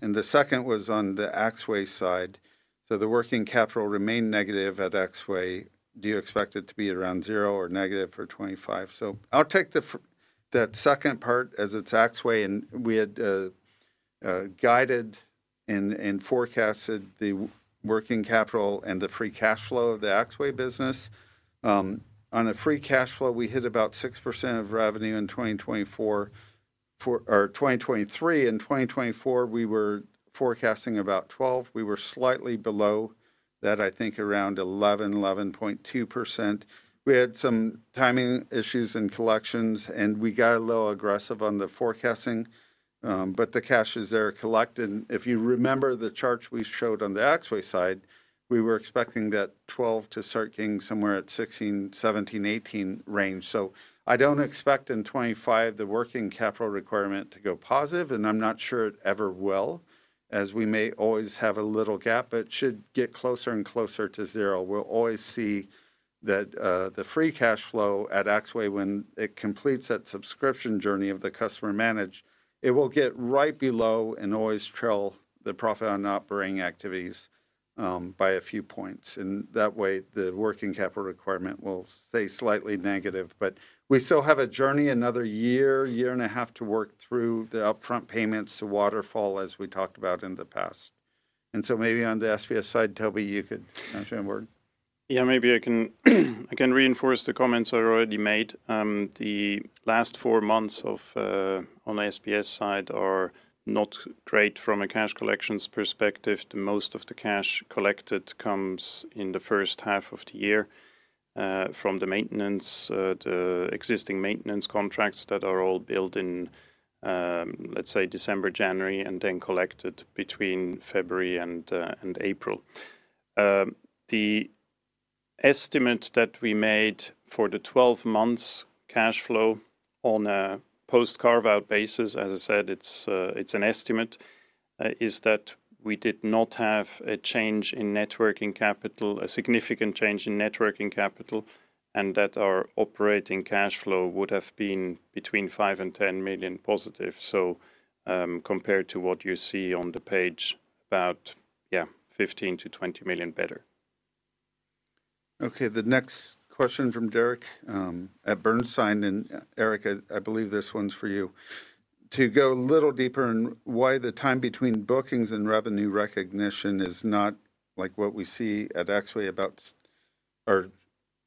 And the second was on the Axway side. So the working capital remained negative at Axway. Do you expect it to be around zero or negative for 2025? So I'll take that second part as it's Axway. And we had guided and forecasted the working capital and the free cash flow of the Axway business. On the free cash flow, we hit about 6% of revenue in 2024 or 2023. In 2024, we were forecasting about 12%. We were slightly below that, I think around 11%, 11.2%. We had some timing issues in collections, and we got a little aggressive on the forecasting. But the cash is there collected. If you remember the charts we showed on the Axway side, we were expecting that 12% to start getting somewhere at 16%, 17%, 18% range. So I don't expect in 2025 the working capital requirement to go positive, and I'm not sure it ever will, as we may always have a little gap, but it should get closer and closer to zero. We'll always see that the free cash flow at Axway, when it completes that subscription journey of the customer managed, it will get right below and always trail the profit on operating activities by a few points. And that way, the working capital requirement will stay slightly negative. But we still have a journey, another year, year and a half to work through the upfront payments to waterfall, as we talked about in the past. And so maybe on the SBS side, Toby, you could answer in words. Yeah, maybe I can reinforce the comments I already made. The last four months on the SBS side are not great from a cash collections perspective. Most of the cash collected comes in the first half of the year from the maintenance, the existing maintenance contracts that are all billed in, let's say, December, January, and then collected between February and April. The estimate that we made for the 12 months cash flow on a post-carve-out basis, as I said, it's an estimate, is that we did not have a change in working capital, a significant change in working capital, and that our operating cash flow would have been between 5 million and 10 million positive. So compared to what you see on the page, about, yeah, 15 million to 20 million better. Okay, the next question from Derek at Bernstein. And Éric, I believe this one's for you. To go a little deeper in why the time between bookings and revenue recognition is not like what we see at Axway about, or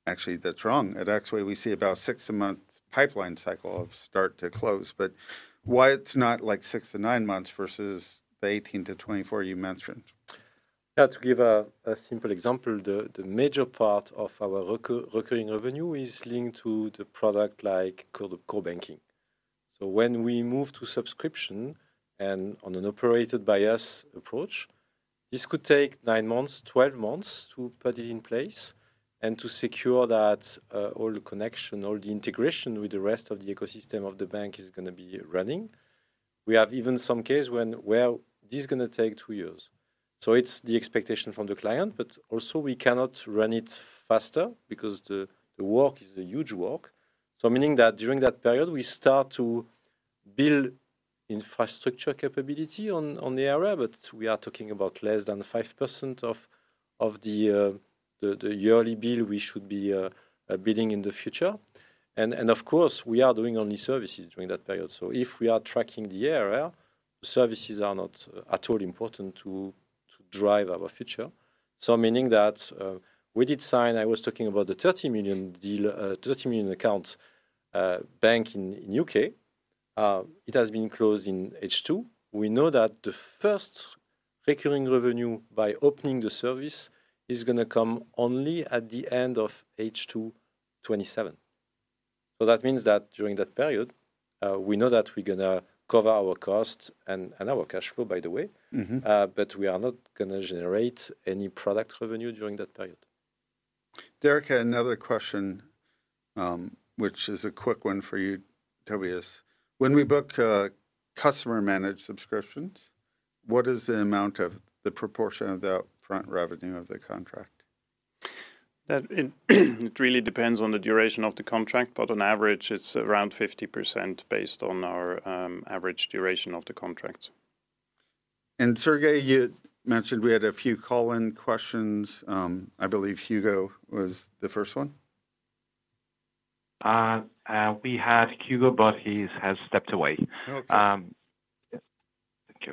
actually, that's wrong. At Axway, we see about six-month pipeline cycle of start to close. But why it's not like six to nine months versus the 18 months to 24 months you mentioned? Yeah, to give a simple example, the major part of our recurring revenue is linked to the product called core banking. So when we move to subscription and on an operated-by-us approach, this could take nine months, 12 months to put it in place and to secure that all the connection, all the integration with the rest of the ecosystem of the bank is going to be running. We have even some cases where this is going to take two years. So it's the expectation from the client, but also we cannot run it faster because the work is a huge work. So meaning that during that period, we start to build infrastructure capability on the area, but we are talking about less than 5% of the yearly bill we should be building in the future. And of course, we are doing only services during that period. So if we are tracking the area, the services are not at all important to drive our future. So meaning that we did sign, I was talking about the 30 million account bank in the U.K. It has been closed in H2. We know that the first recurring revenue by opening the service is going to come only at the end of H2 2027. So that means that during that period, we know that we're going to cover our costs and our cash flow, by the way, but we are not going to generate any product revenue during that period. Derek had another question, which is a quick one for you, Tobias. When we book customer-managed subscriptions, what is the amount of the proportion of the upfront revenue of the contract? It really depends on the duration of the contract, but on average, it's around 50% based on our average duration of the contracts. And Sergey, you mentioned we had a few call-in questions. I believe Hugo was the first one. We had Hugo, but he has stepped away. Okay Thank you.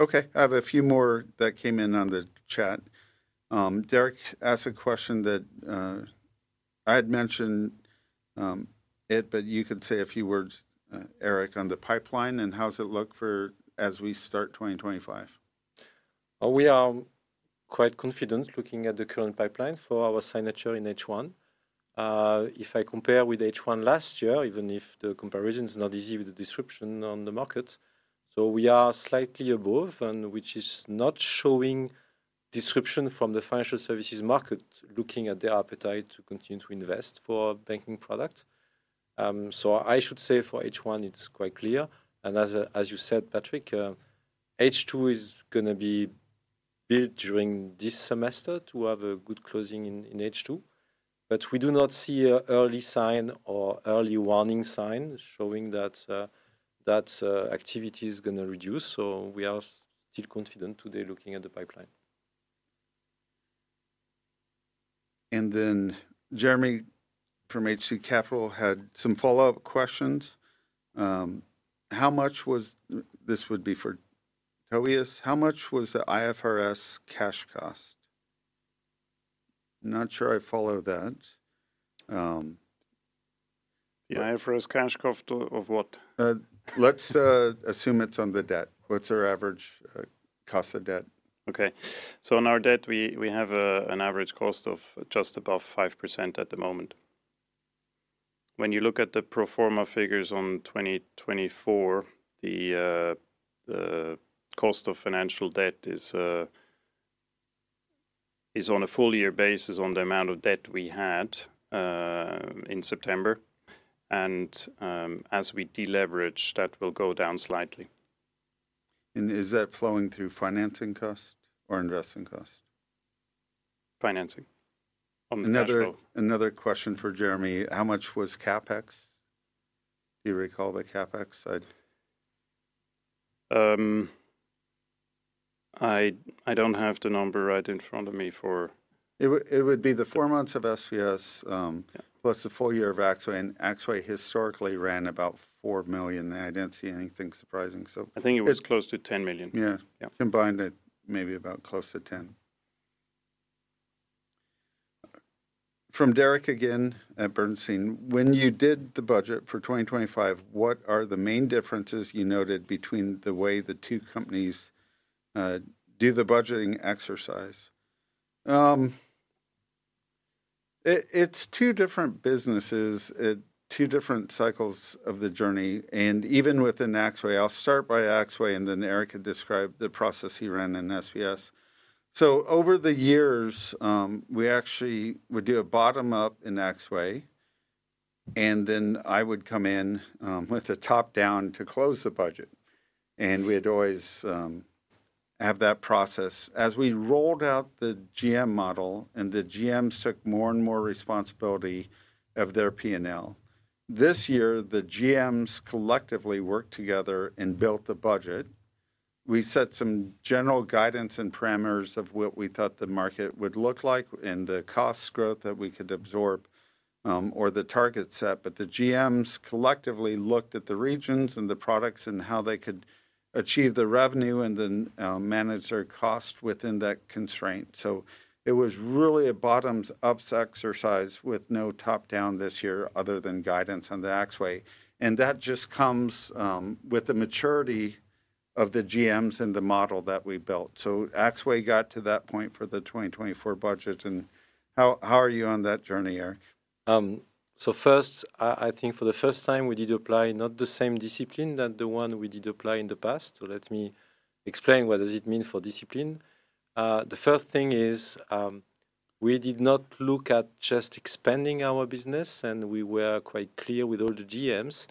Okay, I have a few more that came in on the chat. Derek asked a question that I had mentioned it, but you could say a few words, Éric, on the pipeline and how does it look for as we start 2025? We are quite confident looking at the current pipeline for our signature in H1. If I compare with H1 last year, even if the comparison is not easy with the disruption on the market, so we are slightly above, which is not showing disruption from the financial services market looking at their appetite to continue to invest for banking products. So I should say for H1, it's quite clear. And as you said, Patrick, H2 is going to be built during this semester to have a good closing in H2. But we do not see an early sign or early warning sign showing that activity is going to reduce. So we are still confident today looking at the pipeline. And then Jérémie from HC Capital had some follow-up questions. How much was and this would be for Tobias? How much was the IFRS cash cost? I'm not sure I follow that. The IFRS cash cost of what? Let's assume it's on the debt. What's our average cost of debt? Okay. So on our debt, we have an average cost of just above 5% at the moment. When you look at the pro forma figures on 2024, the cost of financial debt is on a full-year basis on the amount of debt we had in September. And as we deleverage, that will go down slightly. And is that flowing through financing cost or investing cost? Financing on the cash flow. Another question for Jérémie. How much was CapEx? Do you recall the CapEx side? I don't have the number right in front of me for. It would be the four months of SBS plus the full year of Axway. And Axway historically ran about 4 million. I didn't see anything surprising, so. I think it was close to 10 million. Yeah. Combined, maybe about close to 10 million. From Derek again at Bernstein, when you did the budget for 2025, what are the main differences you noted between the way the two companies do the budgeting exercise? It's two different businesses, two different cycles of the journey. And even within Axway, I'll start by Axway, and then Éric could describe the process he ran in SBS. So over the years, we actually would do a bottom-up in Axway, and then I would come in with a top-down to close the budget. And we had always have that process. As we rolled out the GM model, and the GMs took more and more responsibility of their P&L, this year, the GMs collectively worked together and built the budget. We set some general guidance and parameters of what we thought the market would look like and the cost growth that we could absorb or the target set. But the GMs collectively looked at the regions and the products and how they could achieve the revenue and then manage their cost within that constraint. So it was really a bottoms-up exercise with no top-down this year other than guidance on the Axway. And that just comes with the maturity of the GMs and the model that we built. So Axway got to that point for the 2024 budget. And how are you on that journey, Éric? So first, I think for the first time, we did apply not the same discipline than the one we did apply in the past. So let me explain what does it mean for discipline. The first thing is we did not look at just expanding our business. And we were quite clear with all the GMs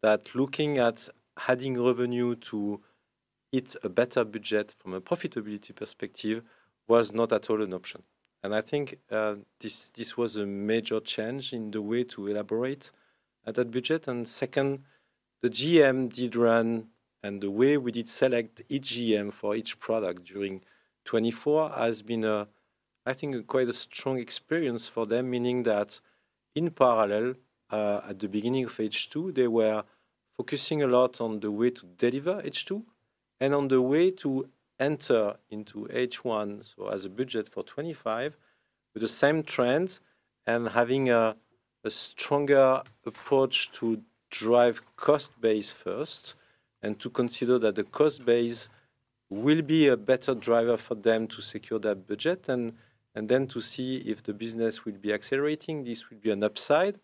that looking at adding revenue to hit a better budget from a profitability perspective was not at all an option. And I think this was a major change in the way to elaborate at that budget. And second, the GM did run and the way we did select each GM for each product during 2024 has been, I think, quite a strong experience for them, meaning that in parallel, at the beginning of H2, they were focusing a lot on the way to deliver H2 and on the way to enter into H1. So as a budget for 2025, with the same trends and having a stronger approach to drive cost base first and to consider that the cost base will be a better driver for them to secure that budget and then to see if the business will be accelerating. This would be an upside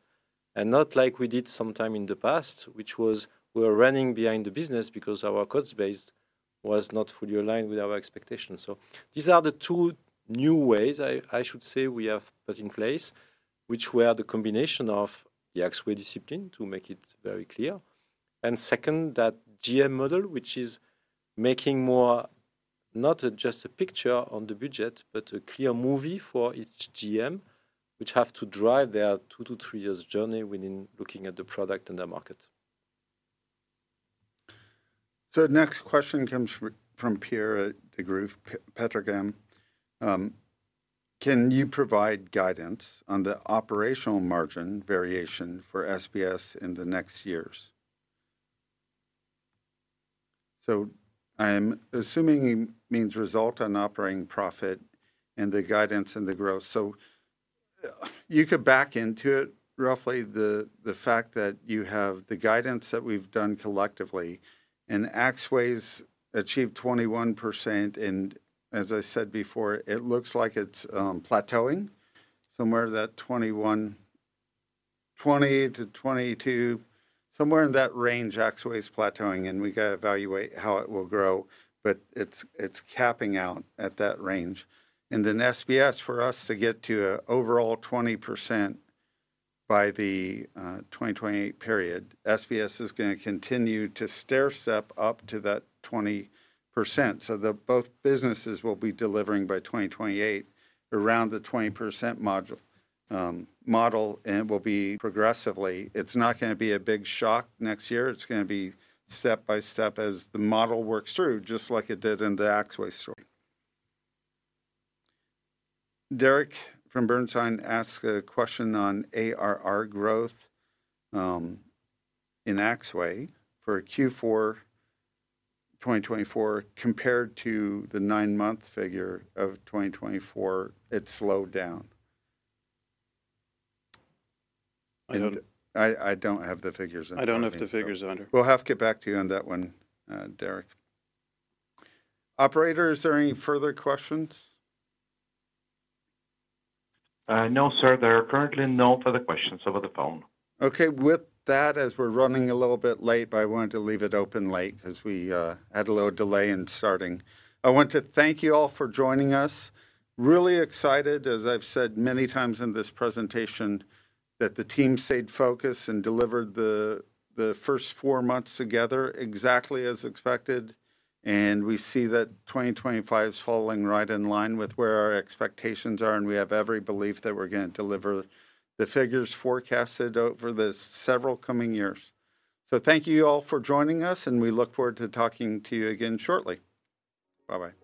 and not like we did sometime in the past, which was we were running behind the business because our cost base was not fully aligned with our expectations. So these are the two new ways, I should say, we have put in place, which were the combination of the Axway discipline to make it very clear. And second, that GM model, which is making more not just a picture on the budget, but a clear movie for each GM, which have to drive their two to three years journey within looking at the product and the market. So the next question comes from Pierre Lebeau of Petercam. Can you provide guidance on the operational margin variation for SBS in the next years? So I'm assuming it means result on operating profit and the guidance and the growth. So you could back into it roughly the fact that you have the guidance that we've done collectively. And Axway's achieved 21%. And as I said before, it looks like it's plateauing somewhere that 21%, 20% to 22%, somewhere in that range, Axway's plateauing. And we got to evaluate how it will grow, but it's capping out at that range. And then SBS, for us to get to an overall 20% by the 2028 period, SBS is going to continue to stair step up to that 20%. So both businesses will be delivering by 2028 around the 20% model and will be progressively. It's not going to be a big shock next year. It's going to be step by step as the model works through, just like it did in the Axway story. Derek from Bernstein asked a question on ARR growth in Axway for Q4 2024 compared to the nine-month figure of 2024. It slowed down. I don't have the figures in front of me. I don't have the figures either. We'll have to get back to you on that one, Derek. Operator, are there any further questions? No, sir. There are currently no further questions over the phone. Okay. With that, as we're running a little bit late, but I wanted to leave it open late because we had a little delay in starting. I want to thank you all for joining us. I'm really excited, as I've said many times in this presentation, that the team stayed focused and delivered the first four months together exactly as expected. And we see that 2025 is falling right in line with where our expectations are, and we have every belief that we're going to deliver the figures forecasted over the several coming years. So thank you all for joining us, and we look forward to talking to you again shortly. Bye-bye. Bye.